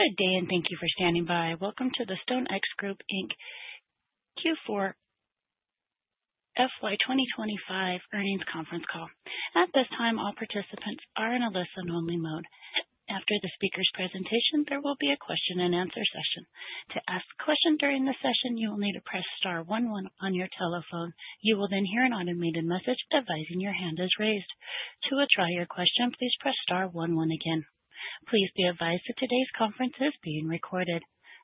Good day, and thank you for standing by. Welcome to the StoneX Group Q4 FY 2025 earnings conference call. At this time, all participants are in a listen-only mode. After the speaker's presentation, there will be a question-and-answer session. To ask a question during the session, you will need to press star one one on your telephone. You will then hear an automated message advising your hand is raised. To try your question, please press star one one again. Please be advised that today's conference is being recorded.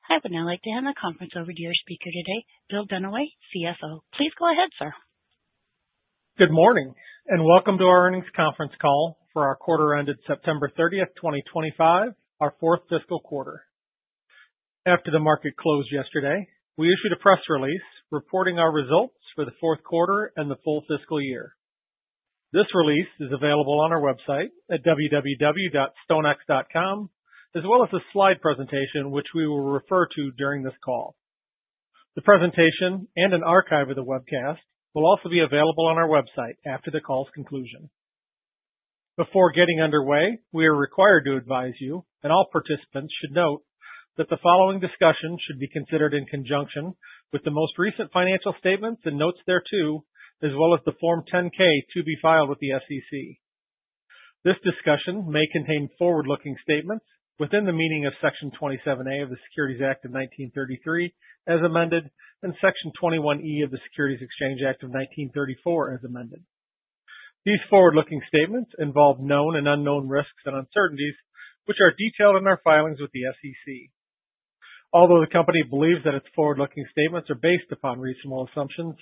I would now like to hand the conference over to your speaker today, Bill Dunaway, CFO. Please go ahead, sir. Good morning, and welcome to our earnings conference call for our quarter ended September 30, 2025, our fourth fiscal quarter. After the market closed yesterday, we issued a press release reporting our results for the fourth quarter and the full fiscal year. This release is available on our website at www.stonex.com, as well as a slide presentation which we will refer to during this call. The presentation and an archive of the webcast will also be available on our website after the call's conclusion. Before getting underway, we are required to advise you, and all participants should note that the following discussion should be considered in conjunction with the most recent financial statements and notes thereto, as well as the Form 10-K to be filed with the SEC. This discussion may contain forward-looking statements within the meaning of Section 27-A of the Securities Act of 1933, as amended, and Section 21-E of the Securities Exchange Act of 1934, as amended. These forward-looking statements involve known and unknown risks and uncertainties, which are detailed in our filings with the SEC. Although the company believes that its forward-looking statements are based upon reasonable assumptions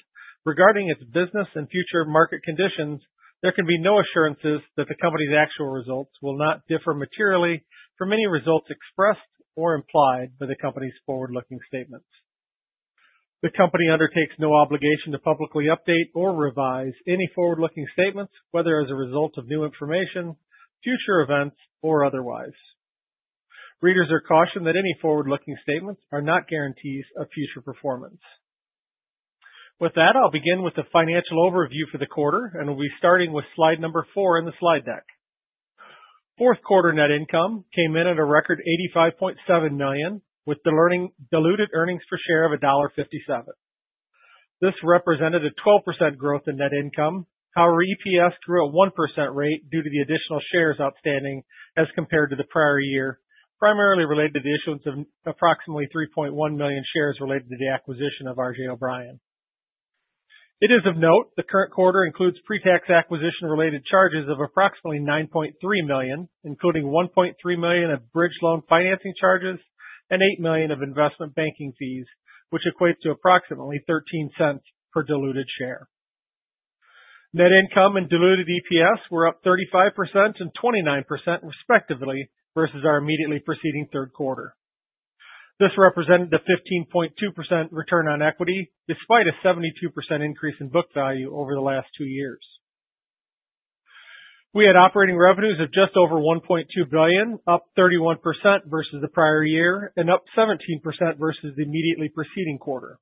regarding its business and future market conditions, there can be no assurances that the company's actual results will not differ materially from any results expressed or implied by the company's forward-looking statements. The company undertakes no obligation to publicly update or revise any forward-looking statements, whether as a result of new information, future events, or otherwise. Readers are cautioned that any forward-looking statements are not guarantees of future performance. With that, I'll begin with the financial overview for the quarter, and we'll be starting with slide number four in the slide deck. Fourth quarter net income came in at a record $85.7 million, with the learning diluted earnings per share of $1.57. This represented a 12% growth in net income. However, EPS grew at a one percent rate due to the additional shares outstanding as compared to the prior year, primarily related to the issuance of approximately 3.1 million shares related to the acquisition of RJ O'Brien. It is of note the current quarter includes pre-tax acquisition-related charges of approximately $9.3 million, including $1.3 million of bridge loan financing charges and eight million dollars of investment banking fees, which equates to approximately $0.13 per diluted share. Net income and diluted EPS were up 35% and 29%, respectively, versus our immediately preceding third quarter. This represented a 15.2% return on equity, despite a 72% increase in book value over the last two years. We had operating revenues of just over $1.2 billion, up 31% versus the prior year, and up 17% versus the immediately preceding quarter.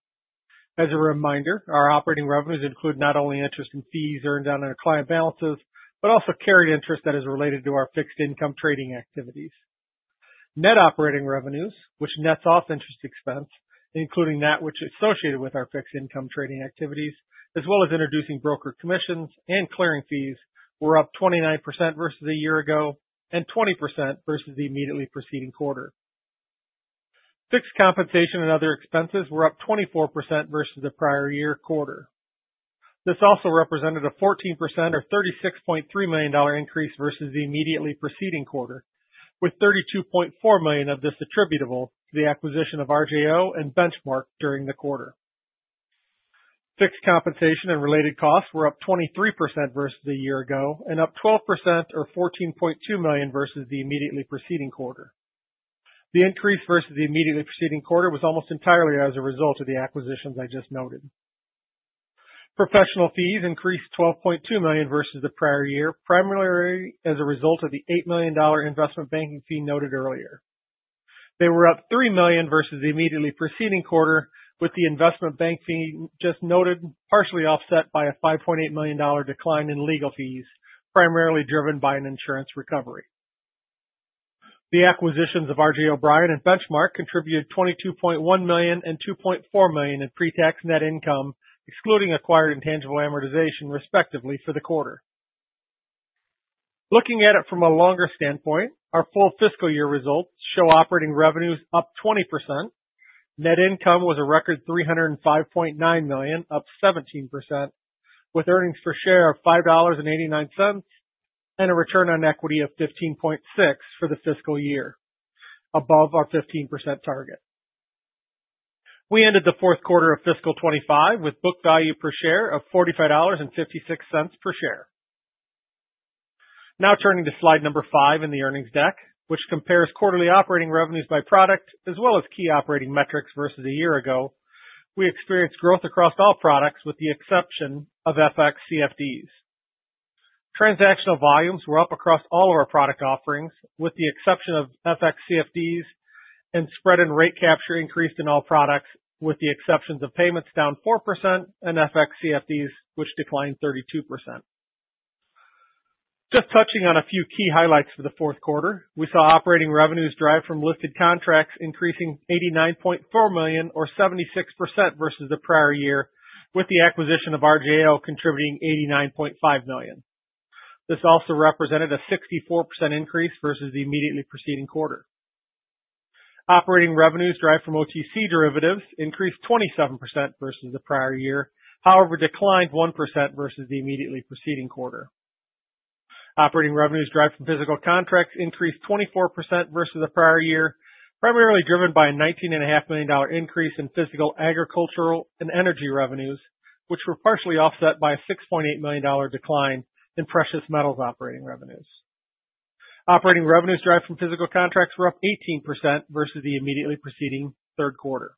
As a reminder, our operating revenues include not only interest and fees earned on our client balances, but also carried interest that is related to our fixed income trading activities. Net operating revenues, which nets off interest expense, including that which is associated with our fixed income trading activities, as well as introducing broker commissions and clearing fees, were up 29% versus a year ago and 20% versus the immediately preceding quarter. Fixed compensation and other expenses were up 24% versus the prior year quarter. This also represented a 14% or $36.3 million increase versus the immediately preceding quarter, with $32.4 million of this attributable to the acquisition of RJO and Benchmark during the quarter. Fixed compensation and related costs were up 23% versus a year ago and up 12% or $14.2 million versus the immediately preceding quarter. The increase versus the immediately preceding quarter was almost entirely as a result of the acquisitions I just noted. Professional fees increased $12.2 million versus the prior year, primarily as a result of the eight million dollars investment banking fee noted earlier. They were up three million dollars versus the immediately preceding quarter, with the investment bank fee just noted partially offset by a $5.8 million decline in legal fees, primarily driven by an insurance recovery. The acquisitions of RJ O'Brien and Benchmark contributed $22.1 million and $2.4 million in pre-tax net income, excluding acquired intangible amortization, respectively, for the quarter. Looking at it from a longer standpoint, our full fiscal year results show operating revenues up 20%. Net income was a record $305.9 million, up 17%, with earnings per share of $5.89 and a return on equity of 15.6% for the fiscal year, above our 15% target. We ended the fourth quarter of fiscal 2025 with book value per share of $45.56 per share. Now turning to slide number five in the earnings deck, which compares quarterly operating revenues by product as well as key operating metrics versus a year ago, we experienced growth across all products with the exception of FXCFDs. Transactional volumes were up across all of our product offerings with the exception of FXCFDs, and spread and rate capture increased in all products with the exceptions of payments down four percent and FXCFDs, which declined 32%. Just touching on a few key highlights for the fourth quarter, we saw operating revenues drive from listed contracts increasing $89.4 million or 76% versus the prior year, with the acquisition of RJO contributing $89.5 million. This also represented a 64% increase versus the immediately preceding quarter. Operating revenues drive from OTC derivatives increased 27% versus the prior year, however declined one percent versus the immediately preceding quarter. Operating revenues drive from physical contracts increased 24% versus the prior year, primarily driven by a $19.5 million increase in physical, agricultural, and energy revenues, which were partially offset by a $6.8 million decline in precious metals operating revenues. Operating revenues derived from physical contracts were up 18% versus the immediately preceding third quarter.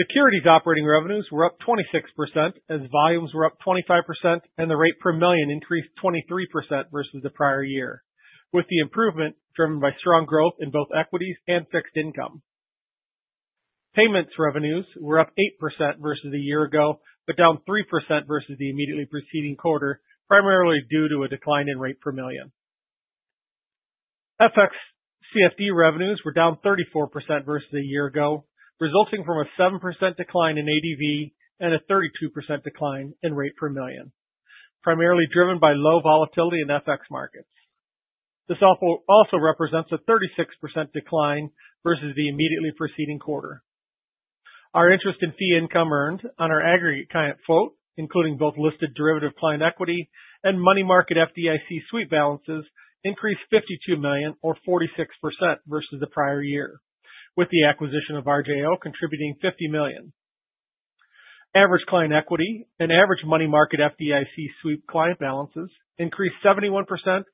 Securities operating revenues were up 26% as volumes were up 25%, and the rate per million increased 23% versus the prior year, with the improvement driven by strong growth in both equities and fixed income. Payments revenues were up eight percent versus a year ago, but down three percent versus the immediately preceding quarter, primarily due to a decline in rate per million. FXCFD revenues were down 34% versus a year ago, resulting from a seven percent decline in ADV and a 32% decline in rate per million, primarily driven by low volatility in FX markets. This also represents a 36% decline versus the immediately preceding quarter. Our interest and fee income earned on our aggregate client float, including both listed derivative client equity and money market FDIC sweep balances, increased $52 million or 46% versus the prior year, with the acquisition of RJO contributing $50 million. Average client equity and average money market FDIC sweep client balances increased 71%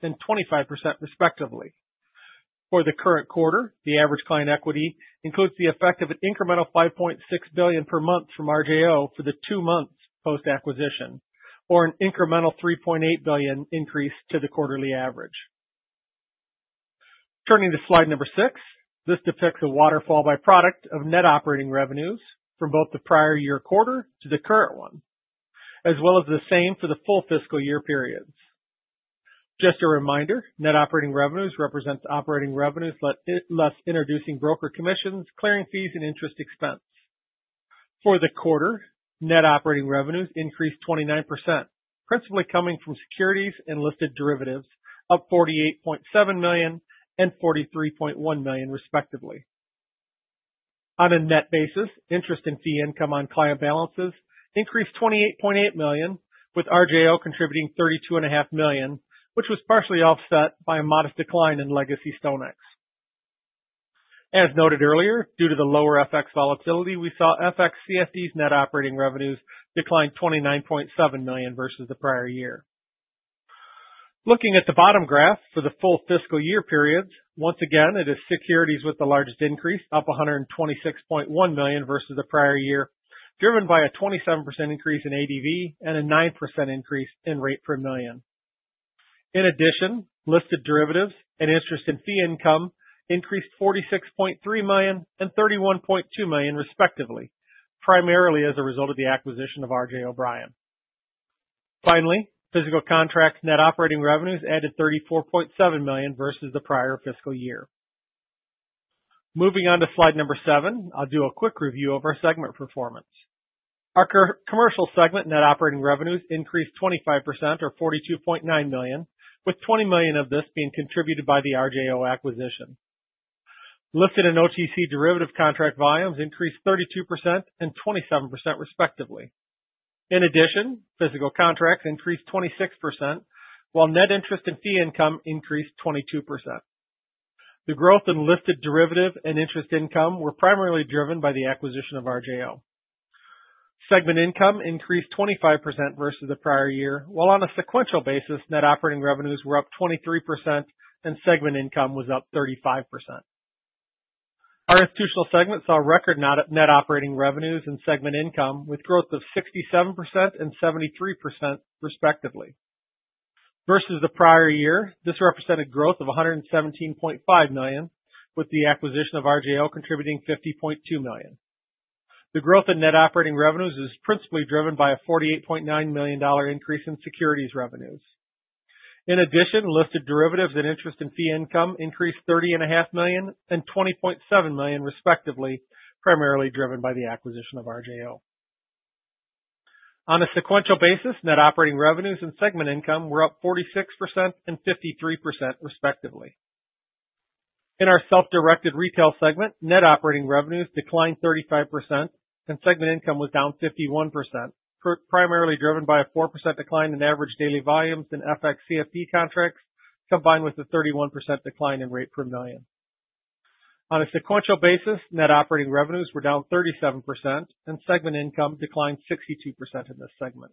and 25%, respectively. For the current quarter, the average client equity includes the effect of an incremental $5.6 billion per month from RJO for the two months post-acquisition, or an incremental $3.8 billion increase to the quarterly average. Turning to slide number six, this depicts a waterfall by product of net operating revenues from both the prior year quarter to the current one, as well as the same for the full fiscal year periods. Just a reminder, net operating revenues represent operating revenues less introducing broker commissions, clearing fees, and interest expense. For the quarter, net operating revenues increased 29%, principally coming from securities and listed derivatives, up $48.7 million and $43.1 million, respectively. On a net basis, interest and fee income on client balances increased $28.8 million, with RJO contributing $32.5 million, which was partially offset by a modest decline in legacy StoneX. As noted earlier, due to the lower FX volatility, we saw FXCFDs net operating revenues decline $29.7 million versus the prior year. Looking at the bottom graph for the full fiscal year periods, once again, it is securities with the largest increase, up $126.1 million versus the prior year, driven by a 27% increase in ADV and a nine percent increase in rate per million. In addition, listed derivatives and interest and fee income increased $46.3 million and $31.2 million, respectively, primarily as a result of the acquisition of RJ O'Brien. Finally, physical contracts net operating revenues added $34.7 million versus the prior fiscal year. Moving on to slide number seven, I'll do a quick review of our segment performance. Our commercial segment net operating revenues increased 25% or $42.9 million, with $20 million of this being contributed by the RJO acquisition. Listed and OTC derivative contract volumes increased 32% and 27%, respectively. In addition, physical contracts increased 26%, while net interest and fee income increased 22%. The growth in listed derivative and interest income were primarily driven by the acquisition of RJO. Segment income increased 25% versus the prior year, while on a sequential basis, net operating revenues were up 23% and segment income was up 35%. Our institutional segment saw record net operating revenues and segment income with growth of 67% and 73%, respectively. Versus the prior year, this represented growth of $117.5 million, with the acquisition of RJO contributing $50.2 million. The growth in net operating revenues is principally driven by a $48.9 million increase in securities revenues. In addition, listed derivatives and interest and fee income increased $30.5 million and $20.7 million, respectively, primarily driven by the acquisition of RJO. On a sequential basis, net operating revenues and segment income were up 46% and 53%, respectively. In our self-directed retail segment, net operating revenues declined 35% and segment income was down 51%, primarily driven by a four percent decline in average daily volumes and FXCFD contracts, combined with a 31% decline in rate per million. On a sequential basis, net operating revenues were down 37% and segment income declined 62% in this segment.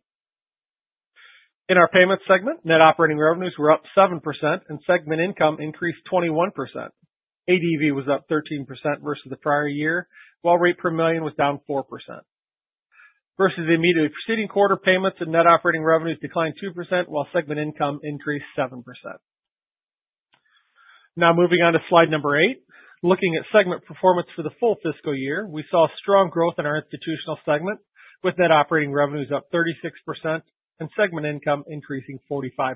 In our payments segment, net operating revenues were up seven percent and segment income increased 21%.ADV was up 13% versus the prior year, while rate per million was down four percent. Versus the immediately preceding quarter, payments and net operating revenues declined two percent, while segment income increased seven percent. Now moving on to slide number eight, looking at segment performance for the full fiscal year, we saw strong growth in our institutional segment, with net operating revenues up 36% and segment income increasing 45%.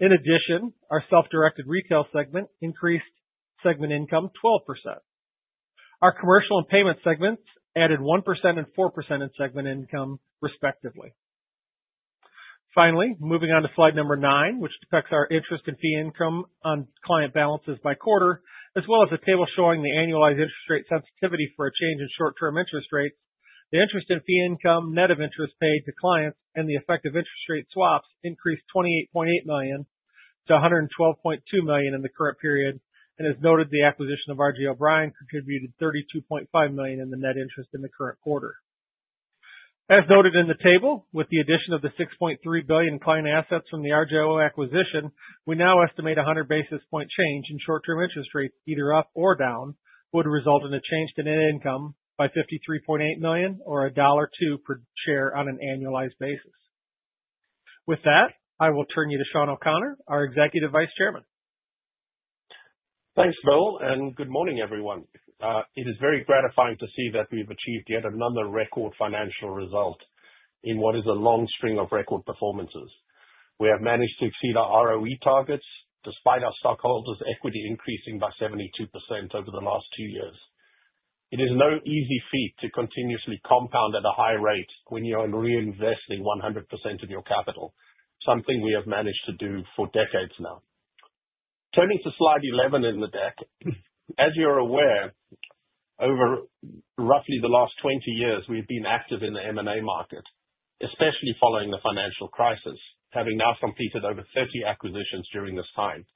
In addition, our self-directed retail segment increased segment income 12%. Our commercial and payment segments added one percent and four percent in segment income, respectively. Finally, moving on to slide number nine, which depicts our interest and fee income on client balances by quarter, as well as a table showing the annualized interest rate sensitivity for a change in short-term interest rates, the interest and fee income, net of interest paid to clients, and the effective interest rate swaps increased $28.8 million to $112.2 million in the current period. As noted, the acquisition of RJ O'Brien contributed $32.5 million in the net interest in the current quarter. As noted in the table, with the addition of the $6.3 billion client assets from the RJO acquisition, we now estimate a 100 basis point change in short-term interest rates, either up or down, would result in a change to net income by $53.8 million or $1.02 per share on an annualized basis. With that, I will turn you to Sean O'Connor, our Executive Vice Chairman. Thanks, Bill, and good morning, everyone. It is very gratifying to see that we've achieved yet another record financial result in what is a long string of record performances. We have managed to exceed our ROE targets despite our stockholders' equity increasing by 72% over the last two years. It is no easy feat to continuously compound at a high rate when you are reinvesting 100% of your capital, something we have managed to do for decades now. Turning to slide 11 in the deck, as you're aware, over roughly the last 20 years, we've been active in the M&A market, especially following the financial crisis, having now completed over 30 acquisitions during this time.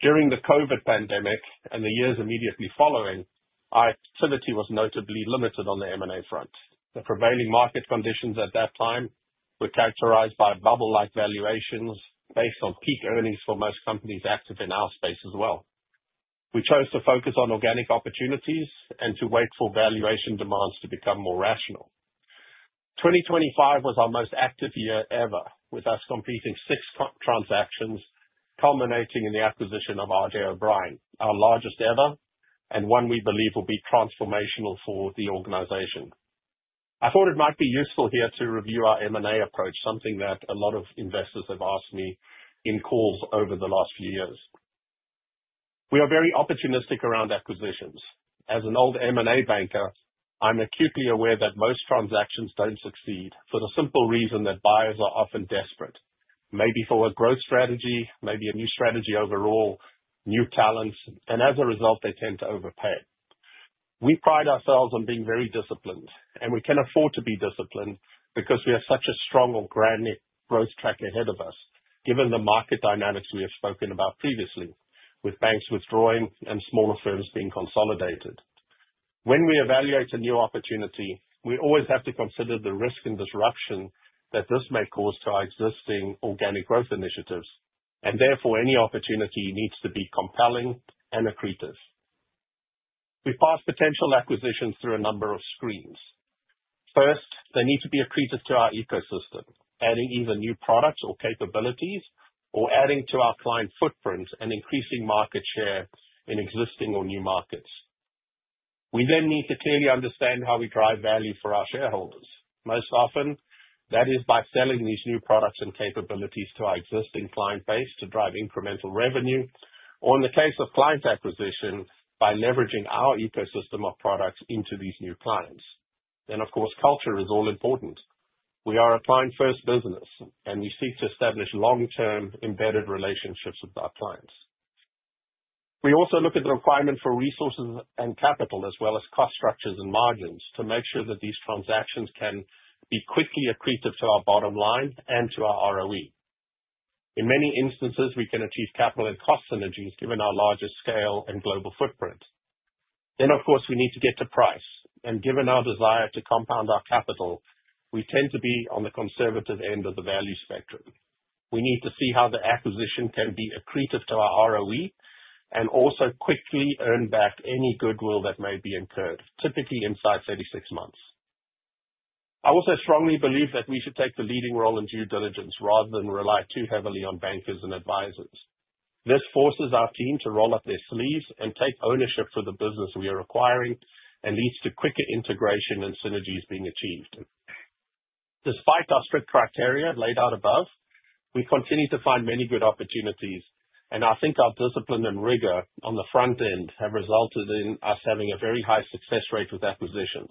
During the COVID pandemic and the years immediately following, our activity was notably limited on the M&A front. The prevailing market conditions at that time were characterized by bubble-like valuations based on peak earnings for most companies active in our space as well. We chose to focus on organic opportunities and to wait for valuation demands to become more rational. 2025 was our most active year ever, with us completing six transactions culminating in the acquisition of RJ O'Brien, our largest ever, and one we believe will be transformational for the organization. I thought it might be useful here to review our M&A approach, something that a lot of investors have asked me in calls over the last few years. We are very opportunistic around acquisitions. As an old M&A banker, I'm acutely aware that most transactions don't succeed for the simple reason that buyers are often desperate, maybe for a growth strategy, maybe a new strategy overall, new talents, and as a result, they tend to overpay. We pride ourselves on being very disciplined, and we can afford to be disciplined because we have such a strong or grand growth track ahead of us, given the market dynamics we have spoken about previously, with banks withdrawing and smaller firms being consolidated. When we evaluate a new opportunity, we always have to consider the risk and disruption that this may cause to our existing organic growth initiatives, and therefore any opportunity needs to be compelling and accretive. We pass potential acquisitions through a number of screens. First, they need to be accretive to our ecosystem, adding either new products or capabilities, or adding to our client footprint and increasing market share in existing or new markets. We then need to clearly understand how we drive value for our shareholders. Most often, that is by selling these new products and capabilities to our existing client base to drive incremental revenue, or in the case of client acquisition, by leveraging our ecosystem of products into these new clients. Of course, culture is all important. We are a client-first business, and we seek to establish long-term embedded relationships with our clients. We also look at the requirement for resources and capital, as well as cost structures and margins, to make sure that these transactions can be quickly accretive to our bottom line and to our ROE. In many instances, we can achieve capital and cost synergies given our larger scale and global footprint. Of course, we need to get to price, and given our desire to compound our capital, we tend to be on the conservative end of the value spectrum. We need to see how the acquisition can be accretive to our ROE and also quickly earn back any goodwill that may be incurred, typically inside 36 months. I also strongly believe that we should take the leading role in due diligence rather than rely too heavily on bankers and advisors. This forces our team to roll up their sleeves and take ownership for the business we are acquiring and leads to quicker integration and synergies being achieved. Despite our strict criteria laid out above, we continue to find many good opportunities, and I think our discipline and rigor on the front end have resulted in us having a very high success rate with acquisitions.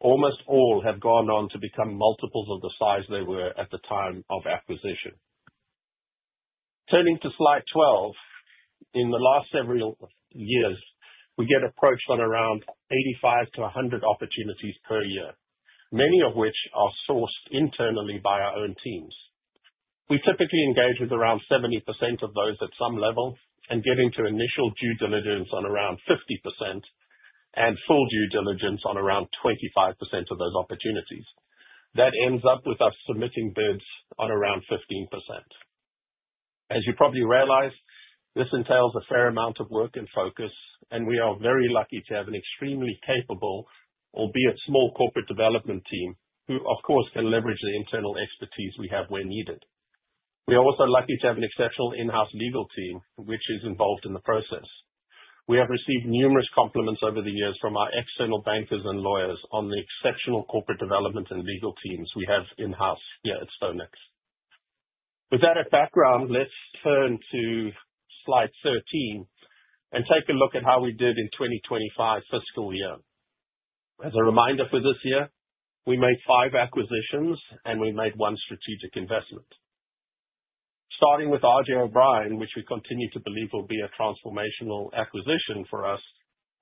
Almost all have gone on to become multiples of the size they were at the time of acquisition. Turning to slide 12, in the last several years, we get approached on around 85-100 opportunities per year, many of which are sourced internally by our own teams. We typically engage with around 70% of those at some level and get into initial due diligence on around 50% and full due diligence on around 25% of those opportunities. That ends up with us submitting bids on around 15%. As you probably realize, this entails a fair amount of work and focus, and we are very lucky to have an extremely capable, albeit small corporate development team who, of course, can leverage the internal expertise we have where needed. We are also lucky to have an exceptional in-house legal team, which is involved in the process. We have received numerous compliments over the years from our external bankers and lawyers on the exceptional corporate development and legal teams we have in-house here at StoneX. With that as background, let's turn to slide 13 and take a look at how we did in the 2025 fiscal year. As a reminder for this year, we made five acquisitions, and we made one strategic investment. Starting with RJ O'Brien, which we continue to believe will be a transformational acquisition for us,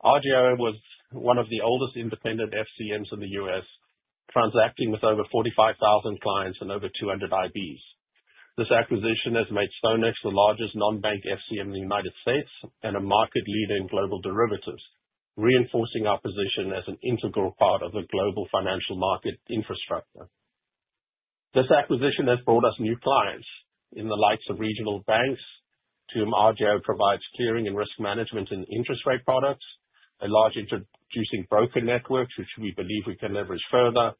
RJO was one of the oldest independent FCMs in the US, transacting with over 45,000 clients and over 200 IBs. This acquisition has made StoneX the largest non-bank FCM in the United States and a market leader in global derivatives, reinforcing our position as an integral part of the global financial market infrastructure. This acquisition has brought us new clients in the likes of regional banks to whom RJO provides clearing and risk management in interest rate products, a large introducing broker network, which we believe we can leverage further,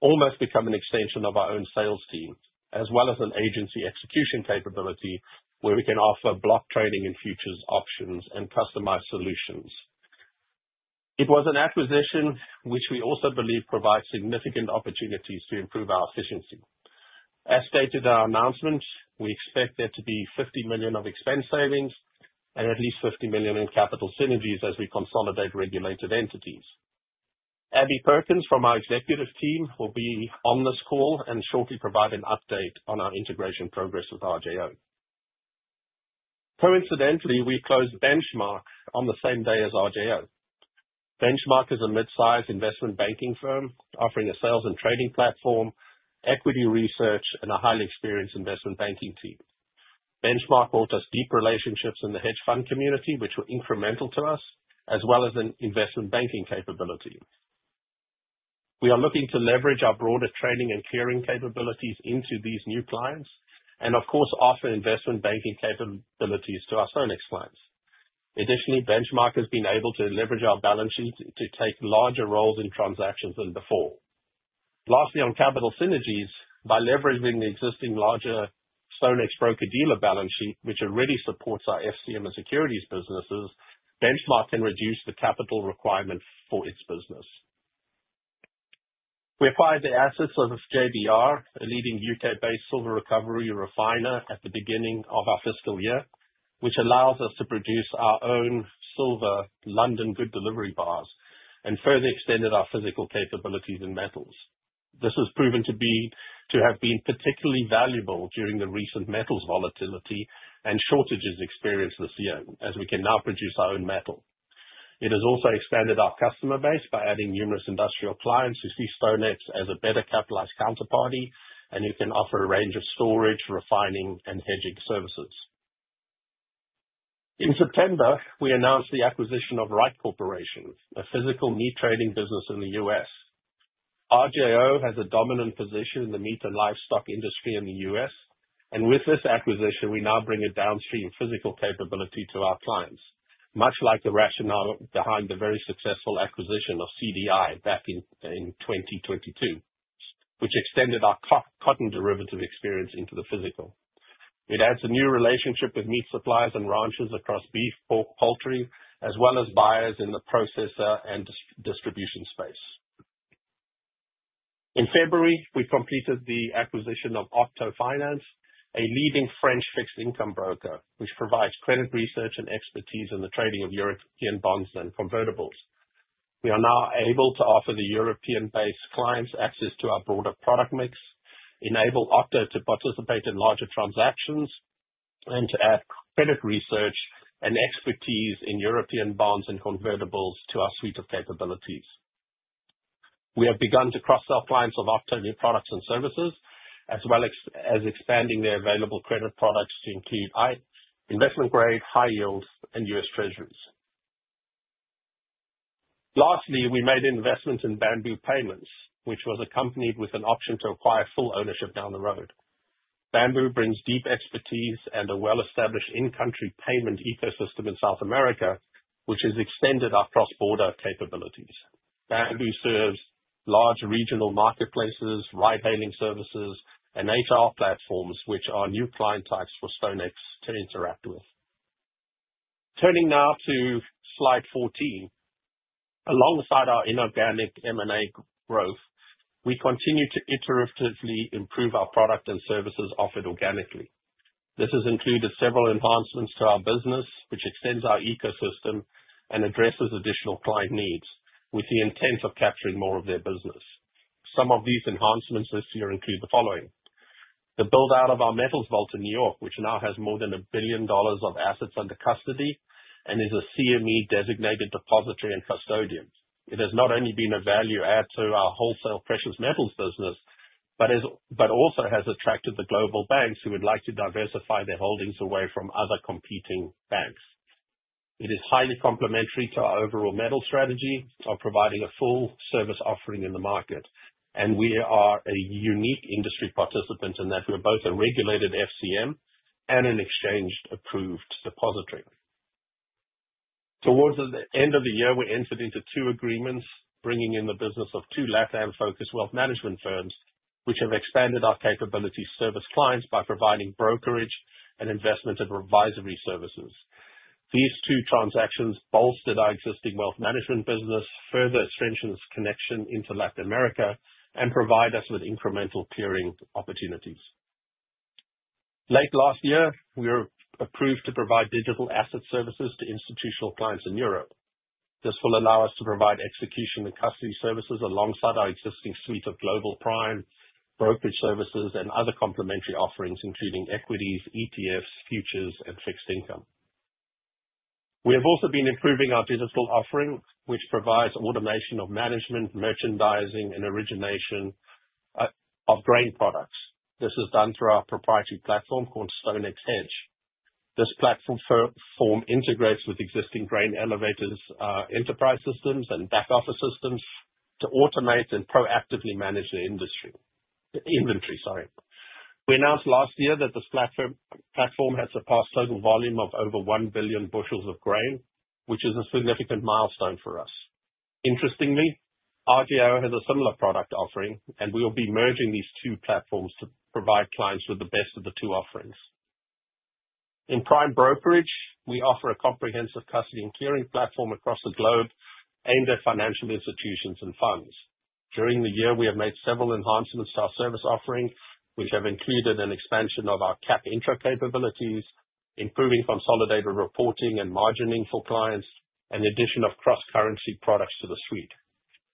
almost become an extension of our own sales team, as well as an agency execution capability where we can offer block trading and futures options and customized solutions. It was an acquisition which we also believe provides significant opportunities to improve our efficiency. As stated in our announcement, we expect there to be $50 million of expense savings and at least $50 million in capital synergies as we consolidate regulated entities. Abby Perkins from our executive team will be on this call and shortly provide an update on our integration progress with RJO. Coincidentally, we closed Benchmark on the same day as RJO. Benchmark is a mid-size investment banking firm offering a sales and trading platform, equity research, and a highly experienced investment banking team. Benchmark brought us deep relationships in the hedge fund community, which were incremental to us, as well as an investment banking capability. We are looking to leverage our broader training and clearing capabilities into these new clients and, of course, offer investment banking capabilities to our StoneX clients. Additionally, Benchmark has been able to leverage our balance sheet to take larger roles in transactions than before. Lastly, on capital synergies, by leveraging the existing larger StoneX broker-dealer balance sheet, which already supports our FCM and securities businesses, Benchmark can reduce the capital requirement for its business. We acquired the assets of JBR, a leading UK-based silver recovery refiner at the beginning of our fiscal year, which allows us to produce our own silver London good delivery bars and further extended our physical capabilities in metals. This has proven to have been particularly valuable during the recent metals volatility and shortages experienced this year, as we can now produce our own metal. It has also expanded our customer base by adding numerous industrial clients who see StoneX as a better capitalized counterparty and who can offer a range of storage, refining, and hedging services. In September, we announced the acquisition of Wright Corporation, a physical meat trading business in the U.S.,. RJO has a dominant position in the meat and livestock industry in the U.S., and with this acquisition, we now bring a downstream physical capability to our clients, much like the rationale behind the very successful acquisition of CDI back in 2022, which extended our cotton derivative experience into the physical. It adds a new relationship with meat suppliers and ranches across beef, pork, poultry, as well as buyers in the processor and distribution space. In February, we completed the acquisition of Octo Finance, a leading French fixed income broker, which provides credit research and expertise in the trading of European bonds and convertibles. We are now able to offer the European-based clients access to our broader product mix, enable Octo to participate in larger transactions, and to add credit research and expertise in European bonds and convertibles to our suite of capabilities. We have begun to cross-sell clients of Octo new products and services, as well as expanding their available credit products to include investment grade, high yields, and US treasuries. Lastly, we made an investment in Bambu Payments, which was accompanied with an option to acquire full ownership down the road. Bambu brings deep expertise and a well-established in-country payment ecosystem in South America, which has extended our cross-border capabilities. Bambu serves large regional marketplaces, ride-hailing services, and HR platforms, which are new client types for StoneX to interact with. Turning now to slide 14, alongside our inorganic M&A growth, we continue to iteratively improve our product and services offered organically. This has included several enhancements to our business, which extends our ecosystem and addresses additional client needs with the intent of capturing more of their business. Some of these enhancements this year include the following: the build-out of our metals vault in New York, which now has more than one billion dollars of assets under custody and is a CME designated depository and custodian. It has not only been a value add to our wholesale precious metals business, but also has attracted the global banks who would like to diversify their holdings away from other competing banks. It is highly complementary to our overall metal strategy of providing a full service offering in the market, and we are a unique industry participant in that we're both a regulated FCM and an exchange-approved depository. Towards the end of the year, we entered into two agreements, bringing in the business of two LATAM-focused wealth management firms, which have expanded our capability to service clients by providing brokerage and investment and advisory services. These two transactions bolstered our existing wealth management business, further strengthened its connection into Latin America, and provide us with incremental clearing opportunities. Late last year, we were approved to provide digital asset services to institutional clients in Europe. This will allow us to provide execution and custody services alongside our existing suite of global prime, brokerage services, and other complementary offerings, including equities, ETFs, futures, and fixed income. We have also been improving our digital offering, which provides automation of management, merchandising, and origination of grain products. This is done through our proprietary platform called StoneX Edge. This platform integrates with existing grain elevators enterprise systems and back-office systems to automate and proactively manage the industry inventory. We announced last year that this platform has surpassed total volume of over one billion bushels of grain, which is a significant milestone for us. Interestingly, RJO has a similar product offering, and we will be merging these two platforms to provide clients with the best of the two offerings. In prime brokerage, we offer a comprehensive custody and clearing platform across the globe aimed at financial institutions and funds. During the year, we have made several enhancements to our service offering, which have included an expansion of our CAP intro capabilities, improving consolidated reporting and margining for clients, and the addition of cross-currency products to the suite.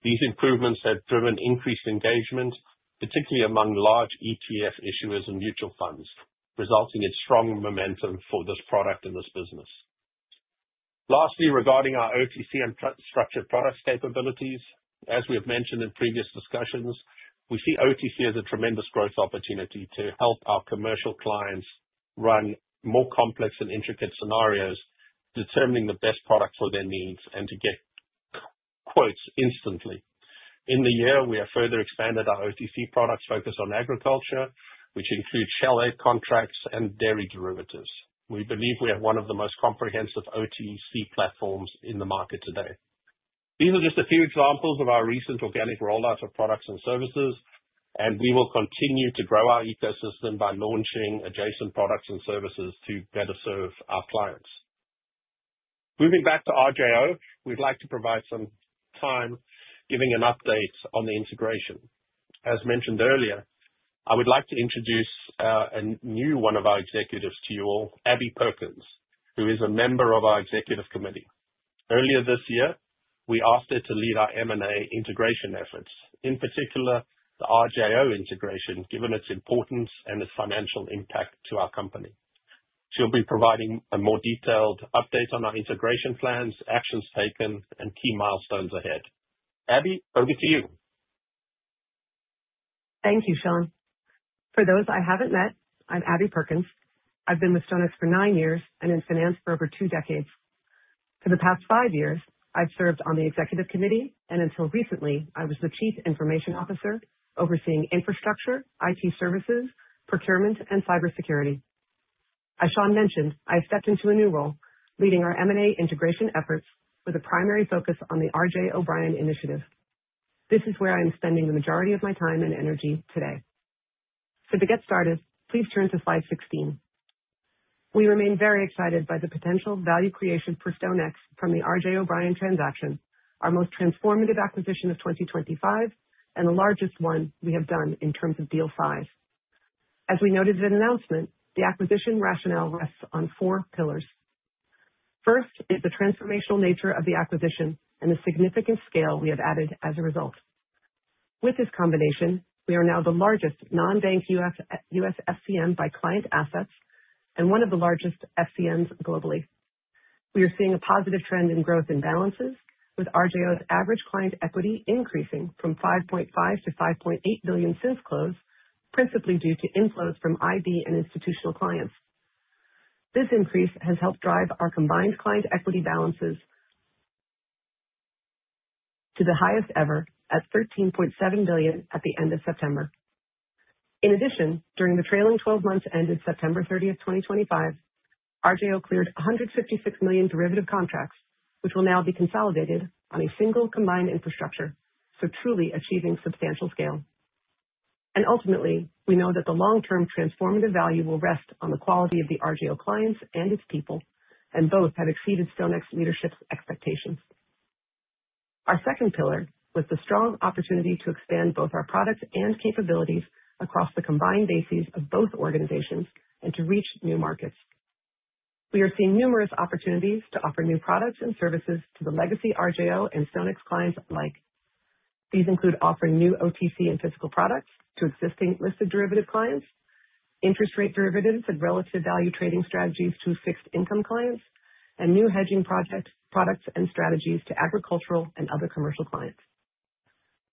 These improvements have driven increased engagement, particularly among large ETF issuers and mutual funds, resulting in strong momentum for this product and this business. Lastly, regarding our OTC and structured product capabilities, as we have mentioned in previous discussions, we see OTC as a tremendous growth opportunity to help our commercial clients run more complex and intricate scenarios, determining the best product for their needs and to get quotes instantly. In the year, we have further expanded our OTC products focused on agriculture, which include shell egg contracts and dairy derivatives. We believe we have one of the most comprehensive OTC platforms in the market today. These are just a few examples of our recent organic rollout of products and services, and we will continue to grow our ecosystem by launching adjacent products and services to better serve our clients. Moving back to RJO, we'd like to provide some time giving an update on the integration. As mentioned earlier, I would like to introduce a new one of our executives to you all, Abby Perkins, who is a member of our executive committee. Earlier this year, we asked her to lead our M&A integration efforts, in particular the RJO integration, given its importance and its financial impact to our company. She'll be providing a more detailed update on our integration plans, actions taken, and key milestones ahead. Abby, over to you. Thank you, Sean. For those I haven't met, I'm Abby Perkins. I've been with StoneX for nine years and in finance for over two decades. For the past five years, I've served on the executive committee, and until recently, I was the Chief Information Officer overseeing infrastructure, IT services, procurement, and cybersecurity. As Sean mentioned, I stepped into a new role leading our M&A integration efforts with a primary focus on the RJ O'Brien initiative. This is where I am spending the majority of my time and energy today. To get started, please turn to slide 16. We remain very excited by the potential value creation for StoneX from the RJ O'Brien transaction, our most transformative acquisition of 2025, and the largest one we have done in terms of deal size. As we noted in the announcement, the acquisition rationale rests on four pillars. First is the transformational nature of the acquisition and the significant scale we have added as a result. With this combination, we are now the largest non-bank US FCM by client assets and one of the largest FCMs globally. We are seeing a positive trend in growth in balances, with RJO's average client equity increasing from $5.5 billion to $5.8 billion since close, principally due to inflows from IB and institutional clients. This increase has helped drive our combined client equity balances to the highest ever at $13.7 billion at the end of September. In addition, during the trailing 12 months ended September 30, 2025, RJO cleared 156 million derivative contracts, which will now be consolidated on a single combined infrastructure, truly achieving substantial scale. Ultimately, we know that the long-term transformative value will rest on the quality of the RJO clients and its people, and both have exceeded StoneX leadership's expectations. Our second pillar was the strong opportunity to expand both our products and capabilities across the combined bases of both organizations and to reach new markets. We are seeing numerous opportunities to offer new products and services to the legacy RJO and StoneX clients alike. These include offering new OTC and physical products to existing listed derivative clients, interest rate derivatives and relative value trading strategies to fixed income clients, and new hedging products and strategies to agricultural and other commercial clients.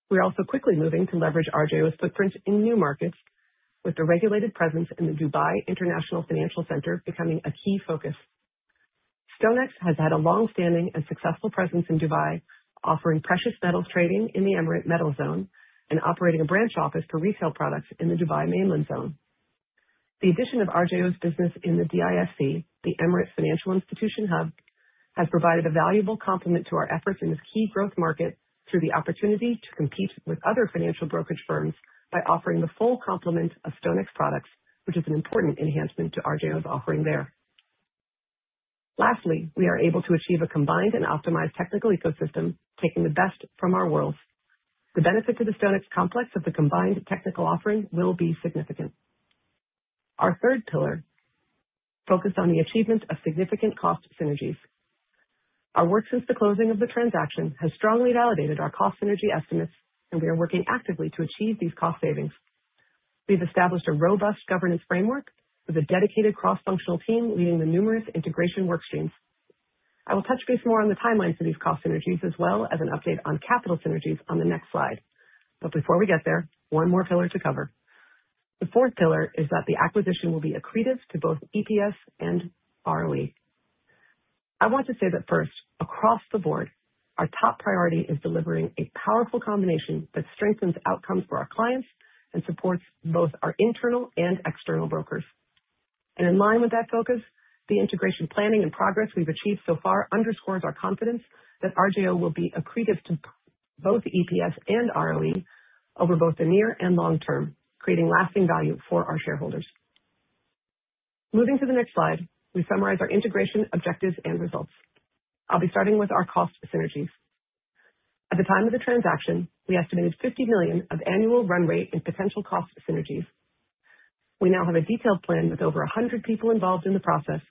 We're also quickly moving to leverage RJO's footprint in new markets, with the regulated presence in the Dubai International Financial Center becoming a key focus. StoneX has had a long-standing and successful presence in Dubai, offering precious metals trading in the Emirate Metal Zone and operating a branch office for retail products in the Dubai Mainland Zone. The addition of RJO's business in the DIFC, the Emirates Financial Institution Hub, has provided a valuable complement to our efforts in this key growth market through the opportunity to compete with other financial brokerage firms by offering the full complement of StoneX products, which is an important enhancement to RJO's offering there. Lastly, we are able to achieve a combined and optimized technical ecosystem, taking the best from our worlds. The benefit to the StoneX complex of the combined technical offering will be significant. Our third pillar focused on the achievement of significant cost synergies. Our work since the closing of the transaction has strongly validated our cost synergy estimates, and we are working actively to achieve these cost savings. We have established a robust governance framework with a dedicated cross-functional team leading the numerous integration workstreams. I will touch base more on the timelines for these cost synergies, as well as an update on capital synergies on the next slide. One more pillar to cover. The fourth pillar is that the acquisition will be accretive to both EPS and ROE. I want to say that first, across the board, our top priority is delivering a powerful combination that strengthens outcomes for our clients and supports both our internal and external brokers. In line with that focus, the integration planning and progress we've achieved so far underscores our confidence that RJO will be accretive to both EPS and ROE over both the near and long term, creating lasting value for our shareholders. Moving to the next slide, we summarize our integration objectives and results. I'll be starting with our cost synergies. At the time of the transaction, we estimated $50 million of annual run rate in potential cost synergies. We now have a detailed plan with over 100 people involved in the process,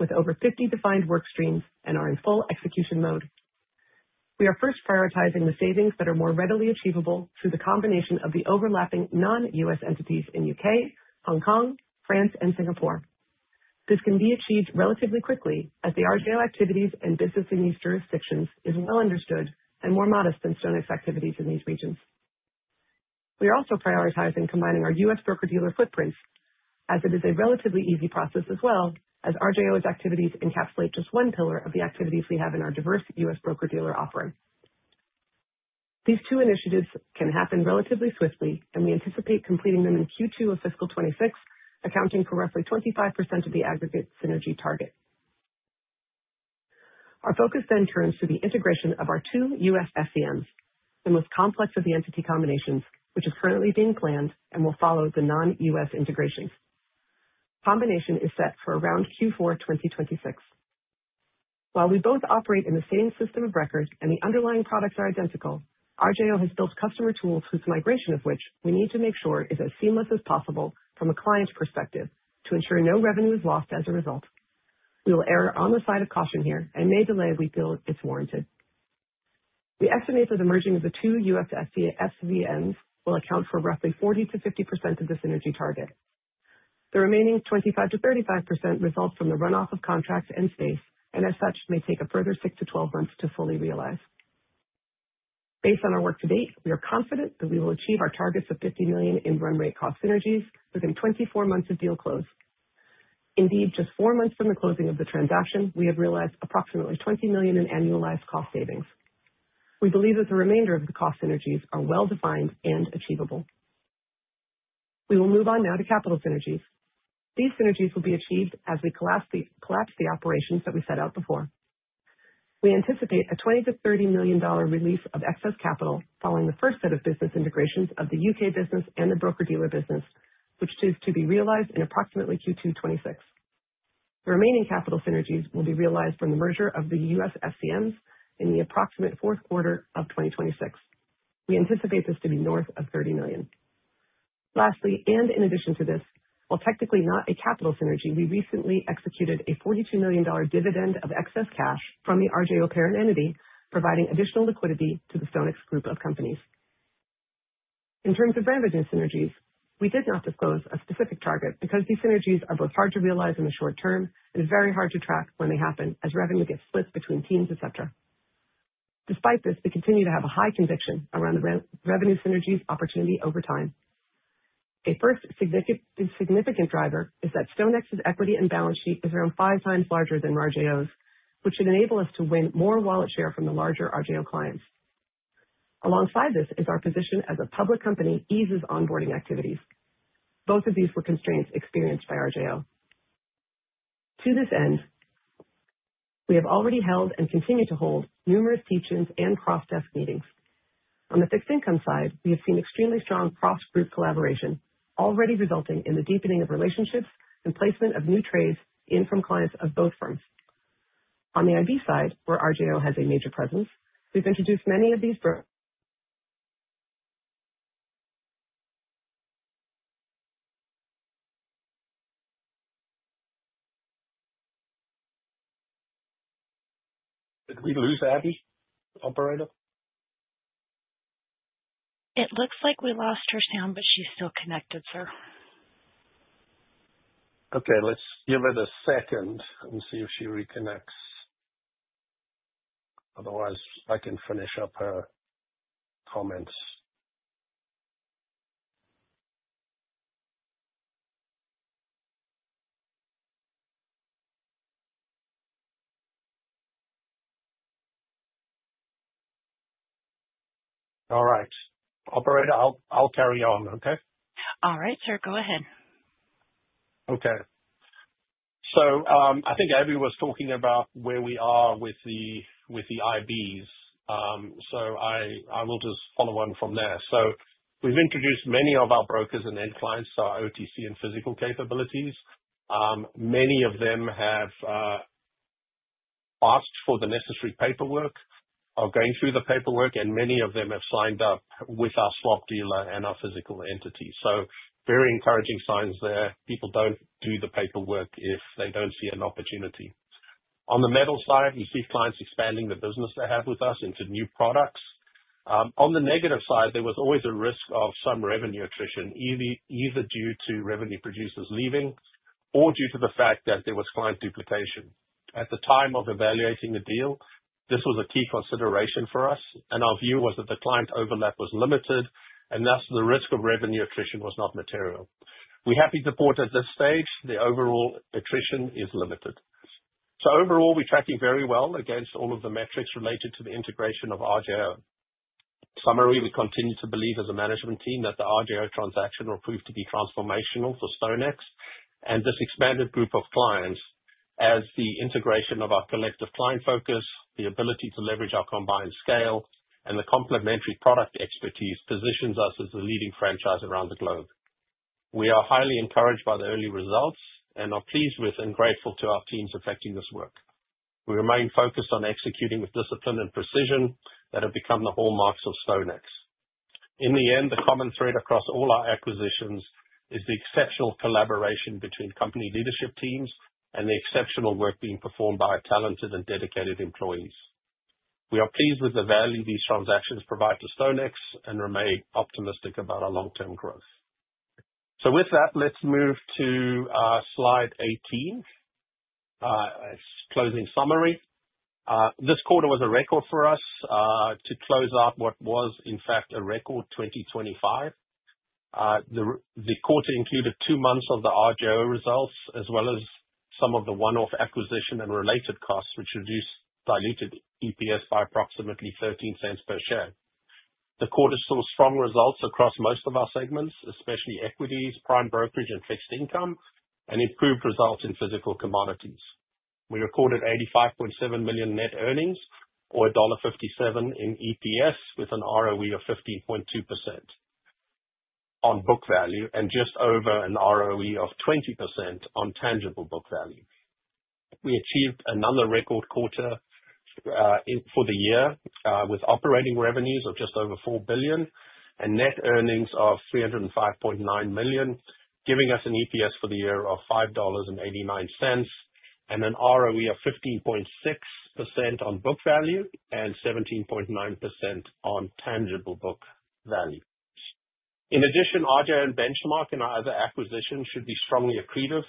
with over 50 defined workstreams and are in full execution mode. We are first prioritizing the savings that are more readily achievable through the combination of the overlapping non-U.S. entities in the U.K., Hong Kong, France, and Singapore. This can be achieved relatively quickly, as the RJO activities and business in these jurisdictions are well understood and more modest than StoneX activities in these regions. We are also prioritizing combining our U.S. broker-dealer footprints, as it is a relatively easy process as well, as RJO's activities encapsulate just one pillar of the activities we have in our diverse U.S. broker-dealer offering. These two initiatives can happen relatively swiftly, and we anticipate completing them in Q2 of fiscal 2026, accounting for roughly 25% of the aggregate synergy target. Our focus then turns to the integration of our two U.S. FCMs, the most complex of the entity combinations, which is currently being planned and will follow the non-U.S. integrations. Combination is set for around Q4 2026. While we both operate in the same system of record and the underlying products are identical, RJO has built customer tools whose migration of which we need to make sure is as seamless as possible from a client perspective to ensure no revenue is lost as a result. We will err on the side of caution here and may delay if we feel it's warranted. We estimate that the merging of the two U.S. FCMs will account for roughly 40-50% of the synergy target. The remaining 25-35% results from the runoff of contracts and space, and as such, may take a further 6-12 months to fully realize. Based on our work to date, we are confident that we will achieve our targets of $50 million in run rate cost synergies within 24 months of deal close. Indeed, just four months from the closing of the transaction, we have realized approximately $20 million in annualized cost savings. We believe that the remainder of the cost synergies are well defined and achievable. We will move on now to capital synergies. These synergies will be achieved as we collapse the operations that we set out before. We anticipate a $20 million-$30 million release of excess capital following the first set of business integrations of the U.K. business and the broker-dealer business, which is to be realized in approximately Q2 2026. The remaining capital synergies will be realized from the merger of the U.S. FCMs in the approximate fourth quarter of 2026. We anticipate this to be north of $30 million. Lastly, and in addition to this, while technically not a capital synergy, we recently executed a $42 million dividend of excess cash from the RJO parent entity, providing additional liquidity to the StoneX group of companies. In terms of revenue synergies, we did not disclose a specific target because these synergies are both hard to realize in the short term and very hard to track when they happen, as revenue gets split between teams, etc. Despite this, we continue to have a high conviction around the revenue synergies opportunity over time. A first significant driver is that StoneX's equity and balance sheet is around five times larger than RJO's, which should enable us to win more wallet share from the larger RJO clients. Alongside this is our position as a public company eases onboarding activities. Both of these were constraints experienced by RJO. To this end, we have already held and continue to hold numerous teach-ins and cross-desk meetings. On the fixed income side, we have seen extremely strong cross-group collaboration, already resulting in the deepening of relationships and placement of new trades in from clients of both firms. On the IB side, where RJO has a major presence, we've introduced many of these brokers. Did we lose Abby? Operator? It looks like we lost her sound, but she's still connected, sir. Okay, let's give it a second and see if she reconnects. Otherwise, I can finish up her comments. All right. Operator, I'll carry on, okay? All right, sir. Go ahead. Okay. I think Abby was talking about where we are with the IBs, so I will just follow on from there. We've introduced many of our brokers and end clients to our OTC and physical capabilities. Many of them have asked for the necessary paperwork or are going through the paperwork, and many of them have signed up with our swap dealer and our physical entity. Very encouraging signs there. People do not do the paperwork if they do not see an opportunity. On the metal side, we see clients expanding the business they have with us into new products. On the negative side, there was always a risk of some revenue attrition, either due to revenue producers leaving or due to the fact that there was client duplication. At the time of evaluating the deal, this was a key consideration for us, and our view was that the client overlap was limited, and thus the risk of revenue attrition was not material. We are happy to report at this stage the overall attrition is limited. Overall, we're tracking very well against all of the metrics related to the integration of RJO. Summary, we continue to believe as a management team that the RJO transaction will prove to be transformational for StoneX and this expanded group of clients as the integration of our collective client focus, the ability to leverage our combined scale, and the complementary product expertise positions us as the leading franchise around the globe. We are highly encouraged by the early results and are pleased with and grateful to our teams affecting this work. We remain focused on executing with discipline and precision that have become the hallmarks of StoneX. In the end, the common thread across all our acquisitions is the exceptional collaboration between company leadership teams and the exceptional work being performed by our talented and dedicated employees. We are pleased with the value these transactions provide to StoneX and remain optimistic about our long-term growth. With that, let's move to slide 18, closing summary. This quarter was a record for us to close out what was, in fact, a record 2025. The quarter included two months of the RJO results, as well as some of the one-off acquisition and related costs, which diluted EPS by approximately $0.13 per share. The quarter saw strong results across most of our segments, especially equities, prime brokerage, and fixed income, and improved results in physical commodities. We recorded $85.7 million net earnings or $1.57 in EPS with an ROE of 15.2% on book value and just over an ROE of 20% on tangible book value. We achieved another record quarter for the year with operating revenues of just over four billion dollars and net earnings of $305.9 million, giving us an EPS for the year of $5.89 and an ROE of 15.6% on book value and 17.9% on tangible book value. In addition, RJO, Benchmark, and our other acquisitions should be strongly accretive,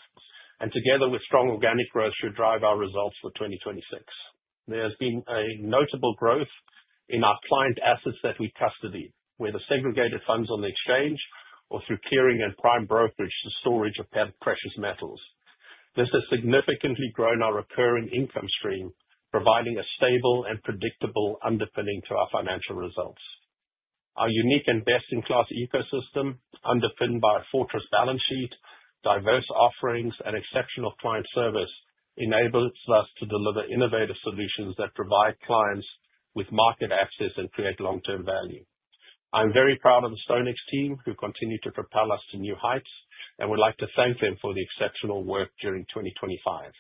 and together with strong organic growth should drive our results for 2026. There has been a notable growth in our client assets that we custody, whether segregated funds on the exchange or through clearing and prime brokerage to storage of precious metals. This has significantly grown our recurring income stream, providing a stable and predictable underpinning to our financial results. Our unique and best-in-class ecosystem, underpinned by a fortress balance sheet, diverse offerings, and exceptional client service, enables us to deliver innovative solutions that provide clients with market access and create long-term value. I'm very proud of the StoneX team who continue to propel us to new heights, and we'd like to thank them for the exceptional work during 2025.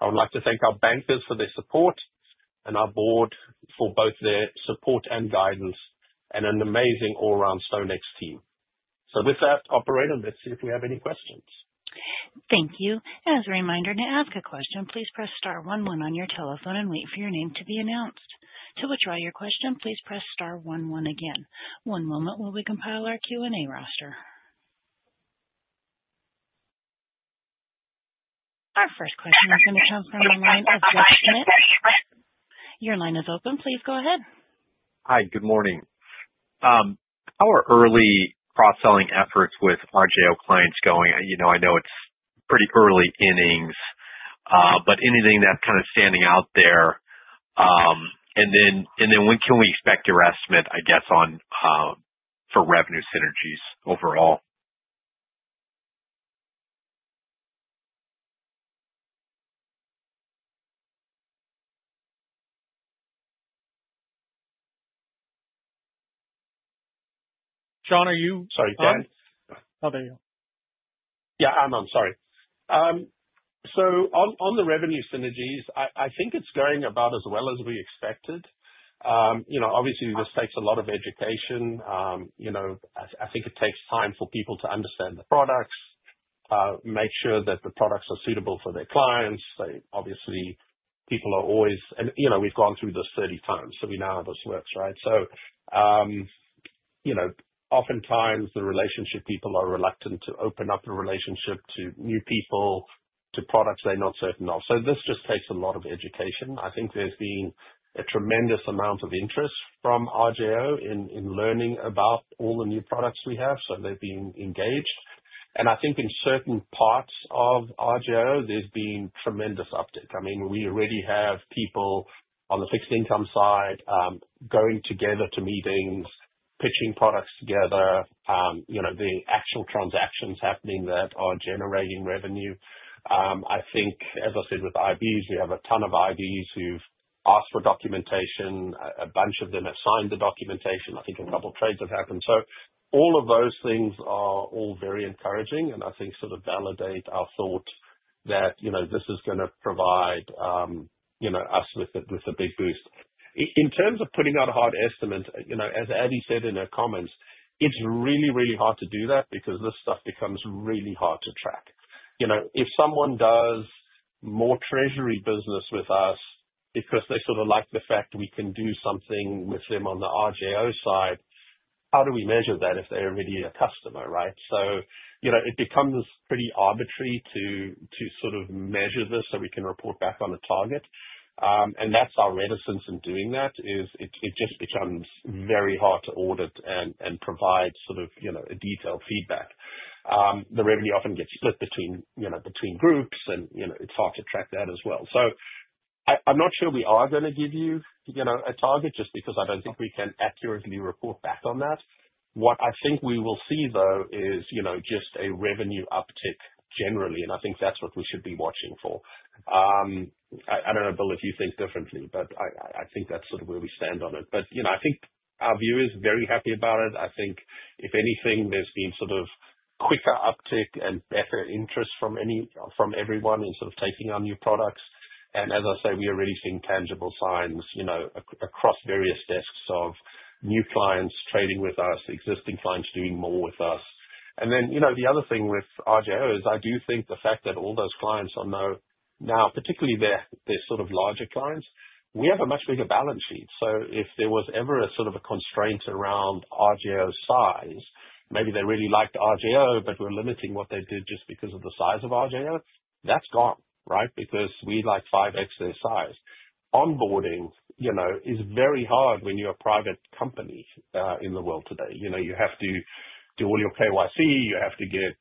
I would like to thank our bankers for their support and our board for both their support and guidance, and an amazing all-round StoneX team. With that, Operator, let's see if we have any questions. Thank you. As a reminder, to ask a question, please press star one one on your telephone and wait for your name to be announced. To withdraw your question, please press star one one again. One moment while we compile our Q&A roster. Our first question is going to come from the line of West Smith. Your line is open. Please go ahead. Hi, good morning. How are early cross-selling efforts with RJO clients going? I know it's pretty early innings, but anything that's kind of standing out there? When can we expect your estimate, I guess, for revenue synergies overall? Sean, are you? Sorry, Dan. How about you? Yeah, I'm on. Sorry. On the revenue synergies, I think it's going about as well as we expected. Obviously, this takes a lot of education. I think it takes time for people to understand the products, make sure that the products are suitable for their clients. Obviously, people are always—and we've gone through this 30 times, so we know how this works, right? Oftentimes, the relationship people are reluctant to open up a relationship to new people, to products they're not certain of. This just takes a lot of education. I think there's been a tremendous amount of interest from RJO in learning about all the new products we have, so they've been engaged. I think in certain parts of RJO, there's been tremendous uptake. I mean, we already have people on the fixed income side going together to meetings, pitching products together, the actual transactions happening that are generating revenue. I think, as I said, with IBs, we have a ton of IBs who've asked for documentation. A bunch of them have signed the documentation. I think a couple of trades have happened. All of those things are all very encouraging, and I think sort of validate our thought that this is going to provide us with a big boost. In terms of putting out a hard estimate, as Abby said in her comments, it's really, really hard to do that because this stuff becomes really hard to track. If someone does more treasury business with us because they sort of like the fact we can do something with them on the RJO side, how do we measure that if they're already a customer, right? It becomes pretty arbitrary to sort of measure this so we can report back on a target. Our reticence in doing that is it just becomes very hard to audit and provide sort of a detailed feedback. The revenue often gets split between groups, and it's hard to track that as well. I'm not sure we are going to give you a target just because I don't think we can accurately report back on that. What I think we will see, though, is just a revenue uptick generally, and I think that's what we should be watching for. I don't know, Bill, if you think differently, but I think that's sort of where we stand on it. I think our view is very happy about it. I think, if anything, there's been sort of quicker uptick and better interest from everyone in sort of taking on new products. As I say, we are already seeing tangible signs across various desks of new clients trading with us, existing clients doing more with us. The other thing with RJO is I do think the fact that all those clients are now, particularly their sort of larger clients, we have a much bigger balance sheet. If there was ever a sort of a constraint around RJO's size, maybe they really liked RJO, but were limiting what they did just because of the size of RJO, that's gone, right? Because we like 5X their size. Onboarding is very hard when you're a private company in the world today. You have to do all your KYC. You have to get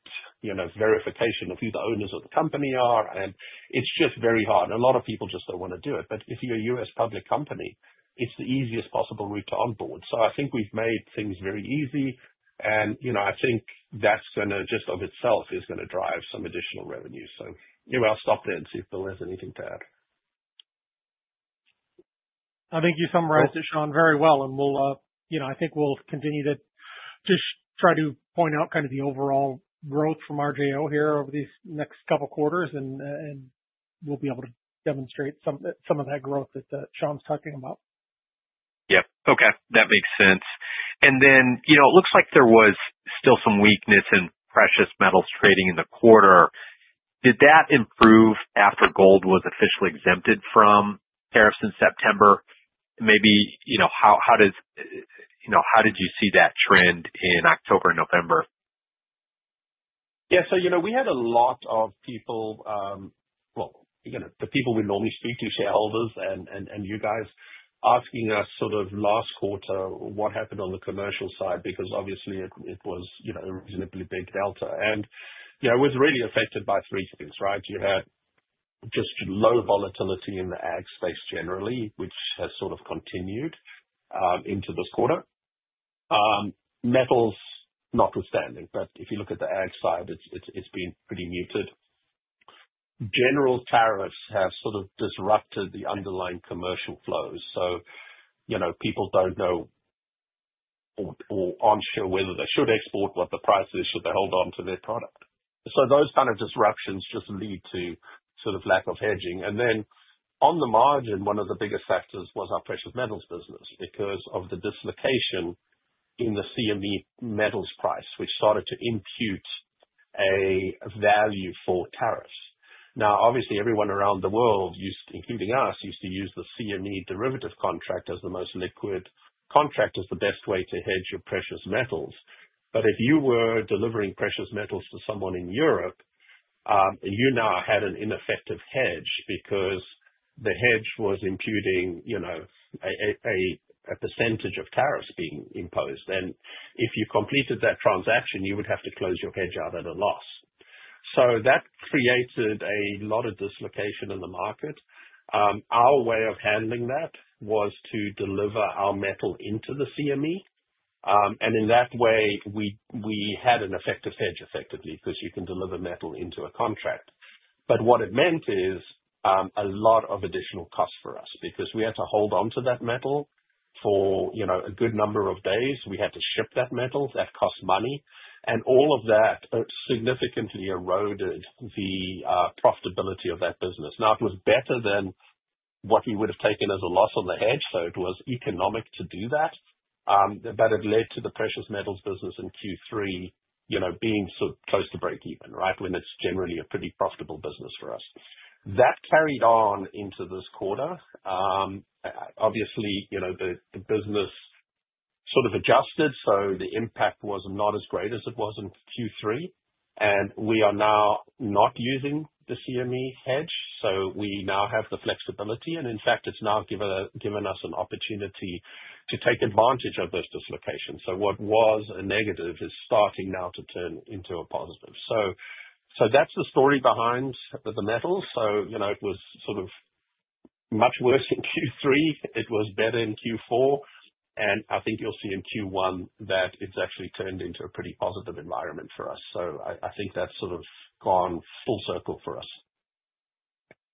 verification of who the owners of the company are, and it's just very hard. A lot of people just don't want to do it. If you're a US public company, it's the easiest possible route to onboard. I think we've made things very easy, and I think that's going to, just of itself, is going to drive some additional revenue. I'll stop there and see if Bill has anything to add. I think you summarized it, Sean, very well, and I think we'll continue to just try to point out kind of the overall growth from RJO here over these next couple of quarters, and we'll be able to demonstrate some of that growth that Sean's talking about. Yep. Okay. That makes sense. It looks like there was still some weakness in precious metals trading in the quarter. Did that improve after gold was officially exempted from tariffs in September? Maybe how did you see that trend in October and November? Yeah. We had a lot of people, the people we normally speak to, shareholders and you guys, asking us sort of last quarter what happened on the commercial side because obviously it was a reasonably big delta. It was really affected by three things, right? You had just low volatility in the ag space generally, which has sort of continued into this quarter. Metals, notwithstanding, but if you look at the ag side, it has been pretty muted. General tariffs have sort of disrupted the underlying commercial flows. People do not know or are not sure whether they should export, what the price is, should they hold on to their product. Those kinds of disruptions just lead to a sort of lack of hedging. On the margin, one of the biggest factors was our precious metals business because of the dislocation in the CME metals price, which started to impute a value for tariffs. Obviously, everyone around the world, including us, used to use the CME derivative contract as the most liquid contract, as the best way to hedge your precious metals. If you were delivering precious metals to someone in Europe, you now had an ineffective hedge because the hedge was imputing a percentage of tariffs being imposed. If you completed that transaction, you would have to close your hedge out at a loss. That created a lot of dislocation in the market. Our way of handling that was to deliver our metal into the CME. In that way, we had an effective hedge, effectively, because you can deliver metal into a contract. What it meant is a lot of additional costs for us because we had to hold on to that metal for a good number of days. We had to ship that metal. That cost money. All of that significantly eroded the profitability of that business. It was better than what we would have taken as a loss on the hedge, so it was economic to do that. It led to the precious metals business in Q3 being sort of close to break even, right, when it is generally a pretty profitable business for us. That carried on into this quarter. Obviously, the business sort of adjusted, so the impact was not as great as it was in Q3. We are now not using the CME hedge, so we now have the flexibility. In fact, it has now given us an opportunity to take advantage of this dislocation. What was a negative is starting now to turn into a positive. That is the story behind the metals. It was sort of much worse in Q3. It was better in Q4. I think you will see in Q1 that it has actually turned into a pretty positive environment for us. I think that has sort of gone full circle for us.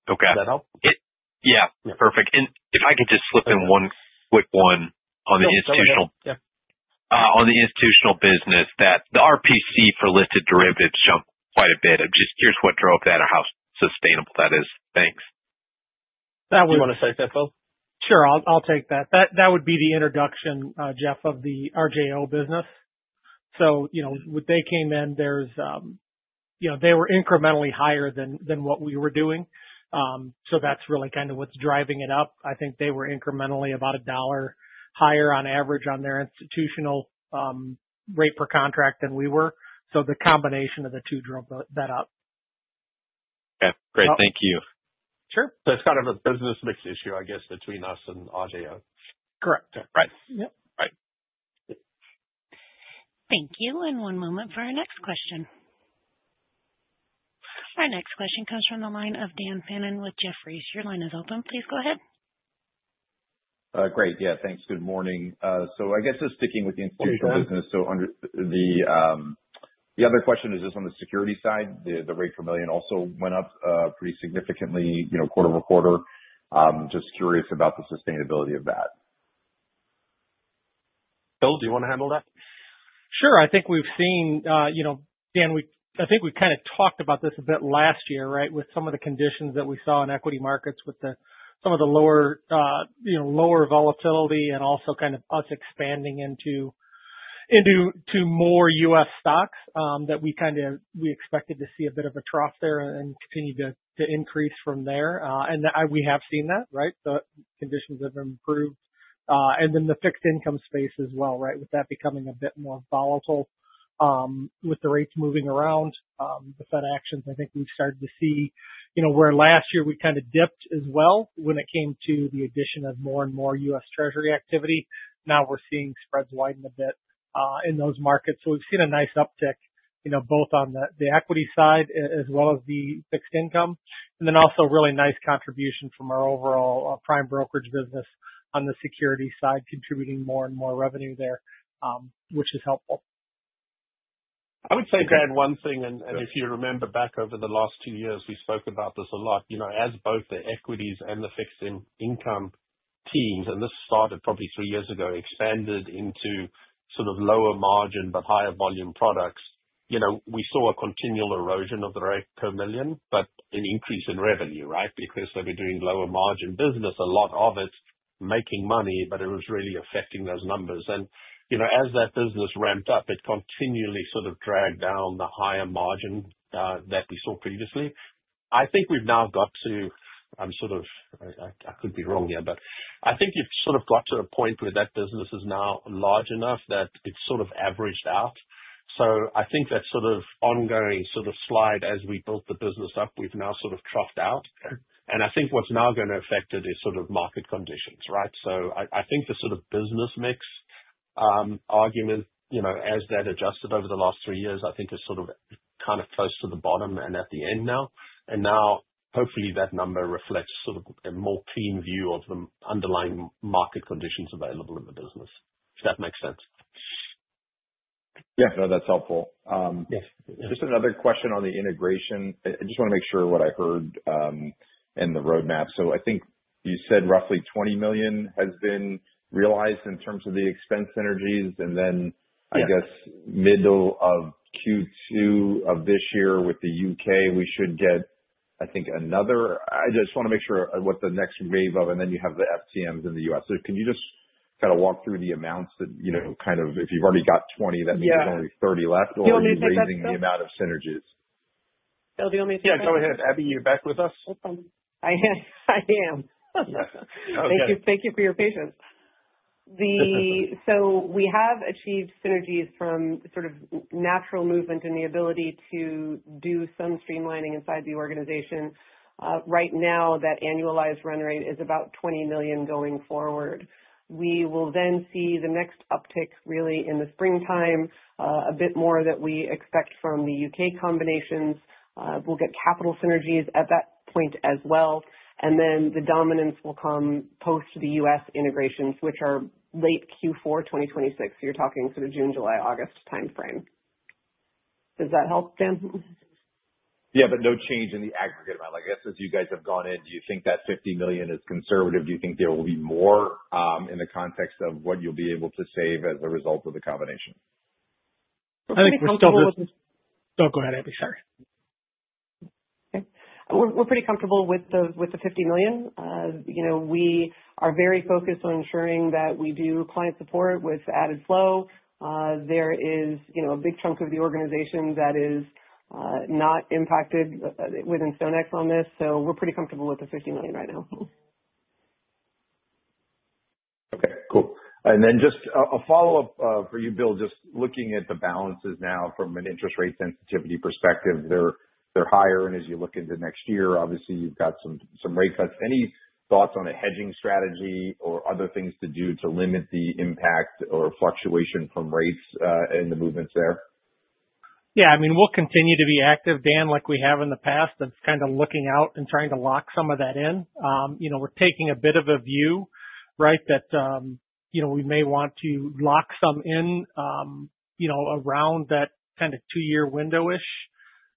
Does that help? Yeah. Perfect. If I could just slip in one quick one on the institutional business, the RPC for listed derivatives jumped quite a bit. Just curious what drove that or how sustainable that is. Thanks. Now, we want to say, Sethville. Sure. I'll take that. That would be the introduction, Jeff, of the RJO business. So they came in. They were incrementally higher than what we were doing. That's really kind of what's driving it up. I think they were incrementally about a dollar higher on average on their institutional rate per contract than we were. The combination of the two drove that up. Okay. Great. Thank you. Sure. It's kind of a business mix issue, I guess, between us and RJO. Correct. Right. Yep. Right. Thank you. One moment for our next question. Our next question comes from the line of Dan Fannon with Jefferies. Your line is open. Please go ahead. Great. Yeah. Thanks. Good morning. I guess just sticking with the institutional business. The other question is just on the security side. The rate per million also went up pretty significantly, quarter over quarter. Just curious about the sustainability of that. Bill, do you want to handle that? Sure. I think we've seen, Dan, I think we've kind of talked about this a bit last year, right, with some of the conditions that we saw in equity markets with some of the lower volatility and also kind of us expanding into more U.S. stocks that we kind of expected to see a bit of a trough there and continue to increase from there. We have seen that, right? The conditions have improved. Then the fixed income space as well, right, with that becoming a bit more volatile with the rates moving around, the Fed actions. I think we've started to see where last year we kind of dipped as well when it came to the addition of more and more US treasury activity. Now we're seeing spreads widen a bit in those markets. We've seen a nice uptick both on the equity side as well as the fixed income. Also, really nice contribution from our overall prime brokerage business on the security side, contributing more and more revenue there, which is helpful. I would say, Brad, one thing, and if you remember back over the last two years, we spoke about this a lot. As both the equities and the fixed income teams, and this started probably three years ago, expanded into sort of lower margin but higher volume products, we saw a continual erosion of the rate per million, but an increase in revenue, right? Because they were doing lower margin business, a lot of it making money, but it was really affecting those numbers. As that business ramped up, it continually sort of dragged down the higher margin that we saw previously. I think we've now got to sort of—I could be wrong here, but I think you've sort of got to a point where that business is now large enough that it's sort of averaged out. I think that sort of ongoing sort of slide as we built the business up, we've now sort of troughed out. I think what's now going to affect it is sort of market conditions, right? I think the sort of business mix argument, as that adjusted over the last three years, I think is sort of kind of close to the bottom and at the end now. Now, hopefully, that number reflects sort of a more clean view of the underlying market conditions available in the business, if that makes sense. Yeah. No, that's helpful. Just another question on the integration. I just want to make sure what I heard in the roadmap. I think you said roughly $20 million has been realized in terms of the expense synergies. I guess middle of Q2 of this year with the U.K., we should get, I think, another—I just want to make sure what the next wave of—and then you have the FCMs in the U.S. Can you just kind of walk through the amounts that kind of, if you've already got $20 million, that means there's only $30 million left, or are you raising the amount of synergies? Bill, do you want me to take that? Yeah. Go ahead. Abby, you're back with us. Thank you for your patience. We have achieved synergies from sort of natural movement and the ability to do some streamlining inside the organization. Right now, that annualized run rate is about $20 million going forward. We will then see the next uptick really in the springtime, a bit more that we expect from the U.K. combinations. We will get capital synergies at that point as well. The dominance will come post the U.S. integrations, which are late Q4 2026. You are talking sort of June, July, August timeframe. Does that help, Dan? Yeah. No change in the aggregate amount. I guess as you guys have gone in, do you think that $50 million is conservative? Do you think there will be more in the context of what you will be able to save as a result of the combination? I think we're comfortable with the—oh, go ahead, Abby. Sorry. Okay. We're pretty comfortable with the $50 million. We are very focused on ensuring that we do client support with added flow. There is a big chunk of the organization that is not impacted within StoneX on this. So we're pretty comfortable with the $50 million right now. Okay. Cool. And then just a follow-up for you, Bill, just looking at the balances now from an interest rate sensitivity perspective. They're higher. And as you look into next year, obviously, you've got some rate cuts. Any thoughts on a hedging strategy or other things to do to limit the impact or fluctuation from rates and the movements there? Yeah. I mean, we'll continue to be active, Dan, like we have in the past, of kind of looking out and trying to lock some of that in. We're taking a bit of a view, right, that we may want to lock some in around that kind of two-year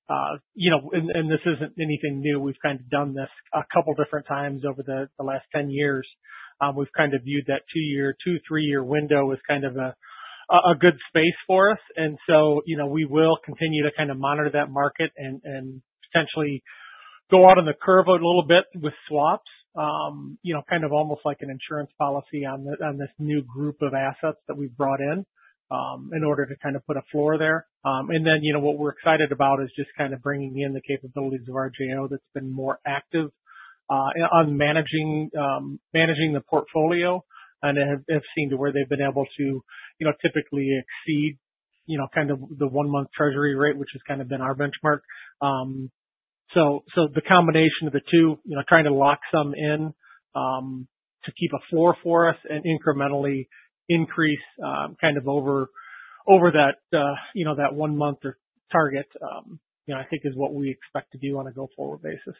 window-ish. This isn't anything new. We've kind of done this a couple of different times over the last 10 years. We've kind of viewed that two-year, two, three-year window as kind of a good space for us. We will continue to kind of monitor that market and potentially go out on the curve a little bit with swaps, kind of almost like an insurance policy on this new group of assets that we've brought in in order to kind of put a floor there. What we're excited about is just kind of bringing in the capabilities of RJO that's been more active on managing the portfolio. It has seemed to where they've been able to typically exceed kind of the one-month treasury rate, which has kind of been our benchmark. The combination of the two, trying to lock some in to keep a floor for us and incrementally increase kind of over that one-month target, I think, is what we expect to do on a go-forward basis.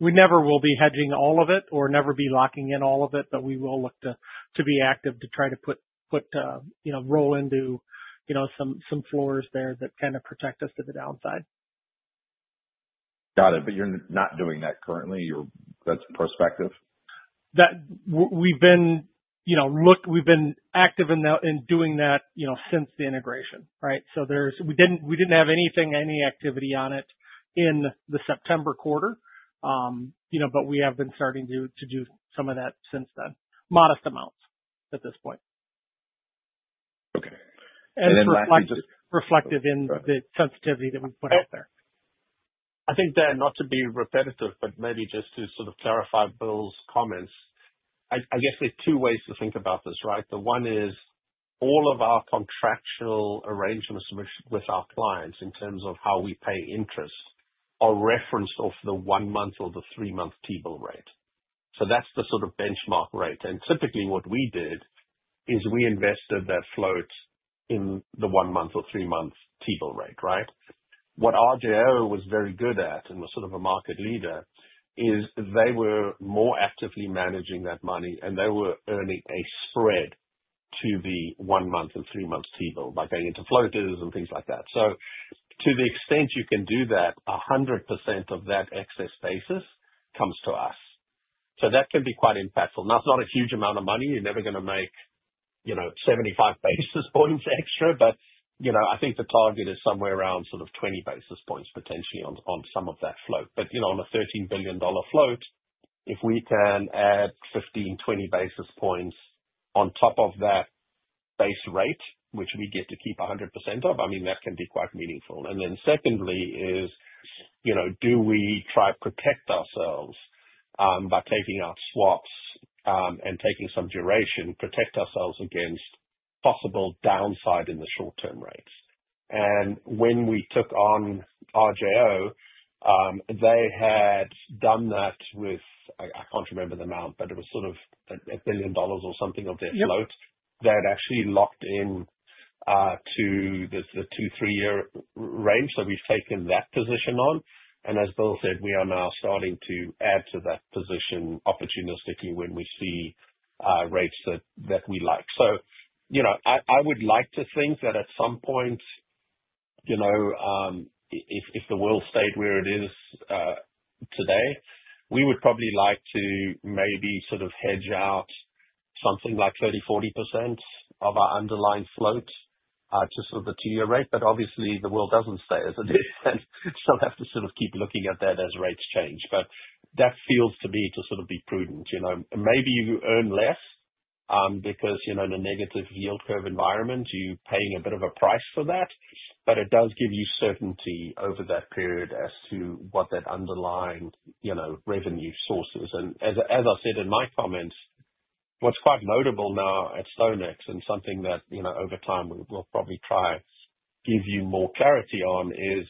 We never will be hedging all of it or never be locking in all of it, but we will look to be active to try to put roll into some floors there that kind of protect us to the downside. Got it. You're not doing that currently? That's prospective? We've been active in doing that since the integration, right? We did not have anything, any activity on it in the September quarter, but we have been starting to do some of that since then, modest amounts at this point. Okay. Lastly, just reflective in the sensitivity that we have put out there. I think, Dan, not to be repetitive, but maybe just to sort of clarify Bill's comments, I guess there are two ways to think about this, right? One is all of our contractual arrangements with our clients in terms of how we pay interest are referenced off the one-month or the three-month T-bill rate. That is the sort of benchmark rate. Typically, what we did is we invested that float in the one-month or three-month T-bill rate, right? What RJO was very good at and was sort of a market leader is they were more actively managing that money, and they were earning a spread to the one-month and three-month T-bill by going into floaters and things like that. To the extent you can do that, 100% of that excess basis comes to us. That can be quite impactful. Now, it is not a huge amount of money. You are never going to make 75 basis points extra, but I think the target is somewhere around sort of 20 basis points potentially on some of that float. On a $13 billion float, if we can add 15-20 basis points on top of that base rate, which we get to keep 100% of, I mean, that can be quite meaningful. Secondly, do we try to protect ourselves by taking out swaps and taking some duration, protect ourselves against possible downside in the short-term rates? When we took on RJO, they had done that with—I cannot remember the amount, but it was sort of a billion dollars or something of their float that actually locked into the two, three-year range. We have taken that position on. As Bill said, we are now starting to add to that position opportunistically when we see rates that we like. I would like to think that at some point, if the world stayed where it is today, we would probably like to maybe sort of hedge out something like 30-40% of our underlying float to sort of the two-year rate. Obviously, the world does not stay as it is. We still have to sort of keep looking at that as rates change. That feels to me to sort of be prudent. Maybe you earn less because in a negative yield curve environment, you're paying a bit of a price for that. It does give you certainty over that period as to what that underlying revenue source is. As I said in my comments, what's quite notable now at StoneX and something that over time we'll probably try to give you more clarity on is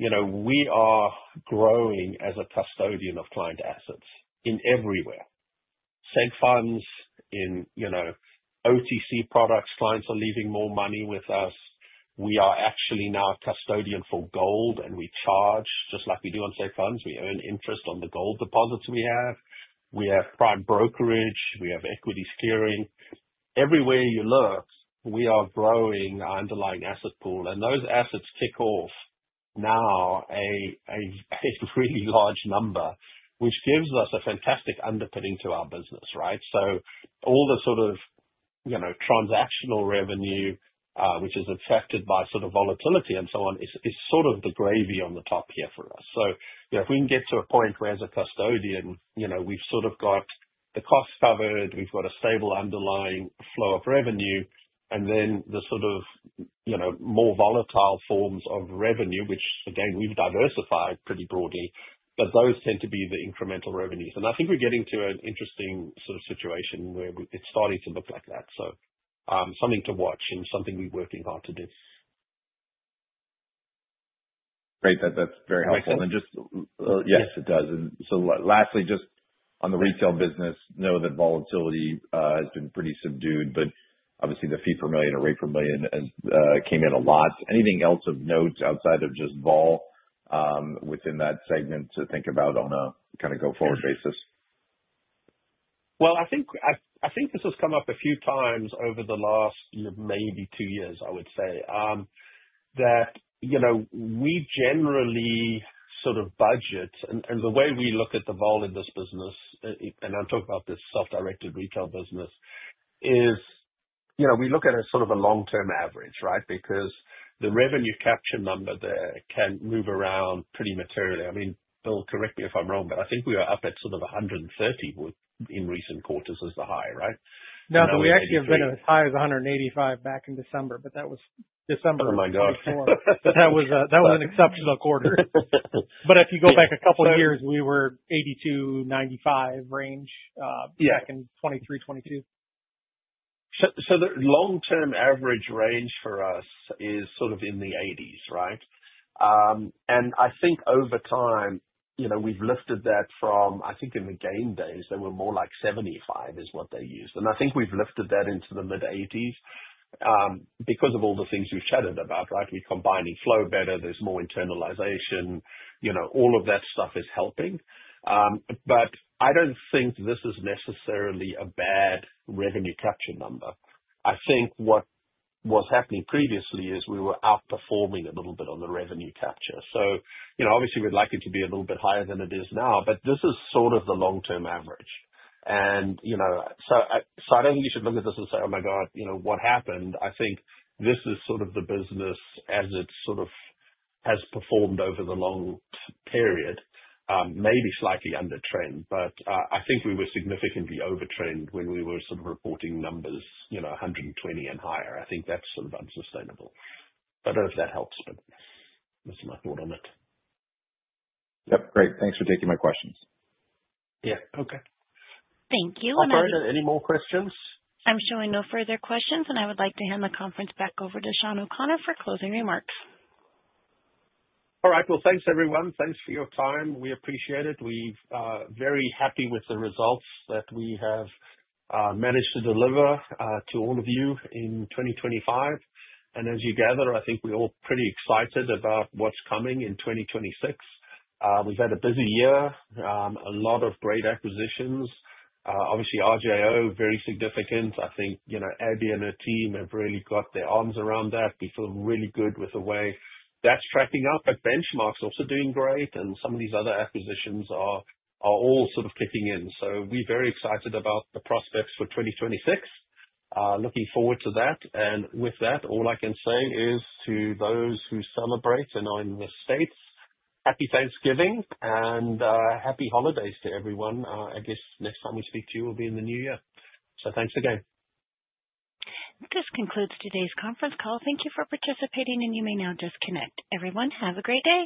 we are growing as a custodian of client assets everywhere. Safe funds in OTC products, clients are leaving more money with us. We are actually now a custodian for gold, and we charge just like we do on safe funds. We earn interest on the gold deposits we have. We have prime brokerage. We have equity steering. Everywhere you look, we are growing our underlying asset pool. Those assets kick off now a really large number, which gives us a fantastic underpinning to our business, right? All the sort of transactional revenue, which is affected by sort of volatility and so on, is sort of the gravy on the top here for us. If we can get to a point where, as a custodian, we've sort of got the cost covered, we've got a stable underlying flow of revenue, and then the sort of more volatile forms of revenue, which, again, we've diversified pretty broadly, but those tend to be the incremental revenues. I think we're getting to an interesting sort of situation where it's starting to look like that. Something to watch and something we're working hard to do. Great. That's very helpful. Just, yes, it does. Lastly, just on the retail business, know that volatility has been pretty subdued, but obviously, the fee per million or rate per million came in a lot. Anything else of note outside of just vol within that segment to think about on a kind of go-forward basis? I think this has come up a few times over the last maybe two years, I would say, that we generally sort of budget. The way we look at the vol in this business, and I'm talking about this self-directed retail business, is we look at it as sort of a long-term average, right? Because the revenue capture number there can move around pretty materially. I mean, Bill, correct me if I'm wrong, but I think we are up at sort of 130 in recent quarters as the high, right? No, no. We actually have been as high as 185 back in December, but that was December. Oh my God. That was an exceptional quarter. If you go back a couple of years, we were 82-95 range back in 2023, 2022. The long-term average range for us is sort of in the 80s, right? I think over time, we've lifted that from, I think, in the game days, they were more like 75 is what they used. I think we've lifted that into the mid-80s because of all the things we've chatted about, right? We're combining flow better. There's more internalization. All of that stuff is helping. I don't think this is necessarily a bad revenue capture number. I think what was happening previously is we were outperforming a little bit on the revenue capture. Obviously, we'd like it to be a little bit higher than it is now, but this is sort of the long-term average. I don't think you should look at this and say, "Oh my God, what happened?" I think this is sort of the business as it sort of has performed over the long period, maybe slightly undertrend. I think we were significantly overtrend when we were sort of reporting numbers 120 and higher. I think that's sort of unsustainable. I don't know if that helps, but that's my thought on it. Yep. Great. Thanks for taking my questions. Yeah. Okay. Thank you so much. Any more questions? I'm showing no further questions, and I would like to hand the conference back over to Sean O'Connor for closing remarks. All right. Thanks, everyone. Thanks for your time. We appreciate it. We're very happy with the results that we have managed to deliver to all of you in 2025. As you gather, I think we're all pretty excited about what's coming in 2026. We've had a busy year, a lot of great acquisitions. Obviously, RJO, very significant. I think Abby and her team have really got their arms around that. We feel really good with the way that's tracking up. Benchmarks are also doing great, and some of these other acquisitions are all sort of kicking in. We are very excited about the prospects for 2026. Looking forward to that. With that, all I can say is to those who celebrate and are in the States, Happy Thanksgiving and happy holidays to everyone. I guess next time we speak to you will be in the new year. Thanks again. This concludes today's conference call. Thank you for participating, and you may now disconnect. Everyone, have a great day.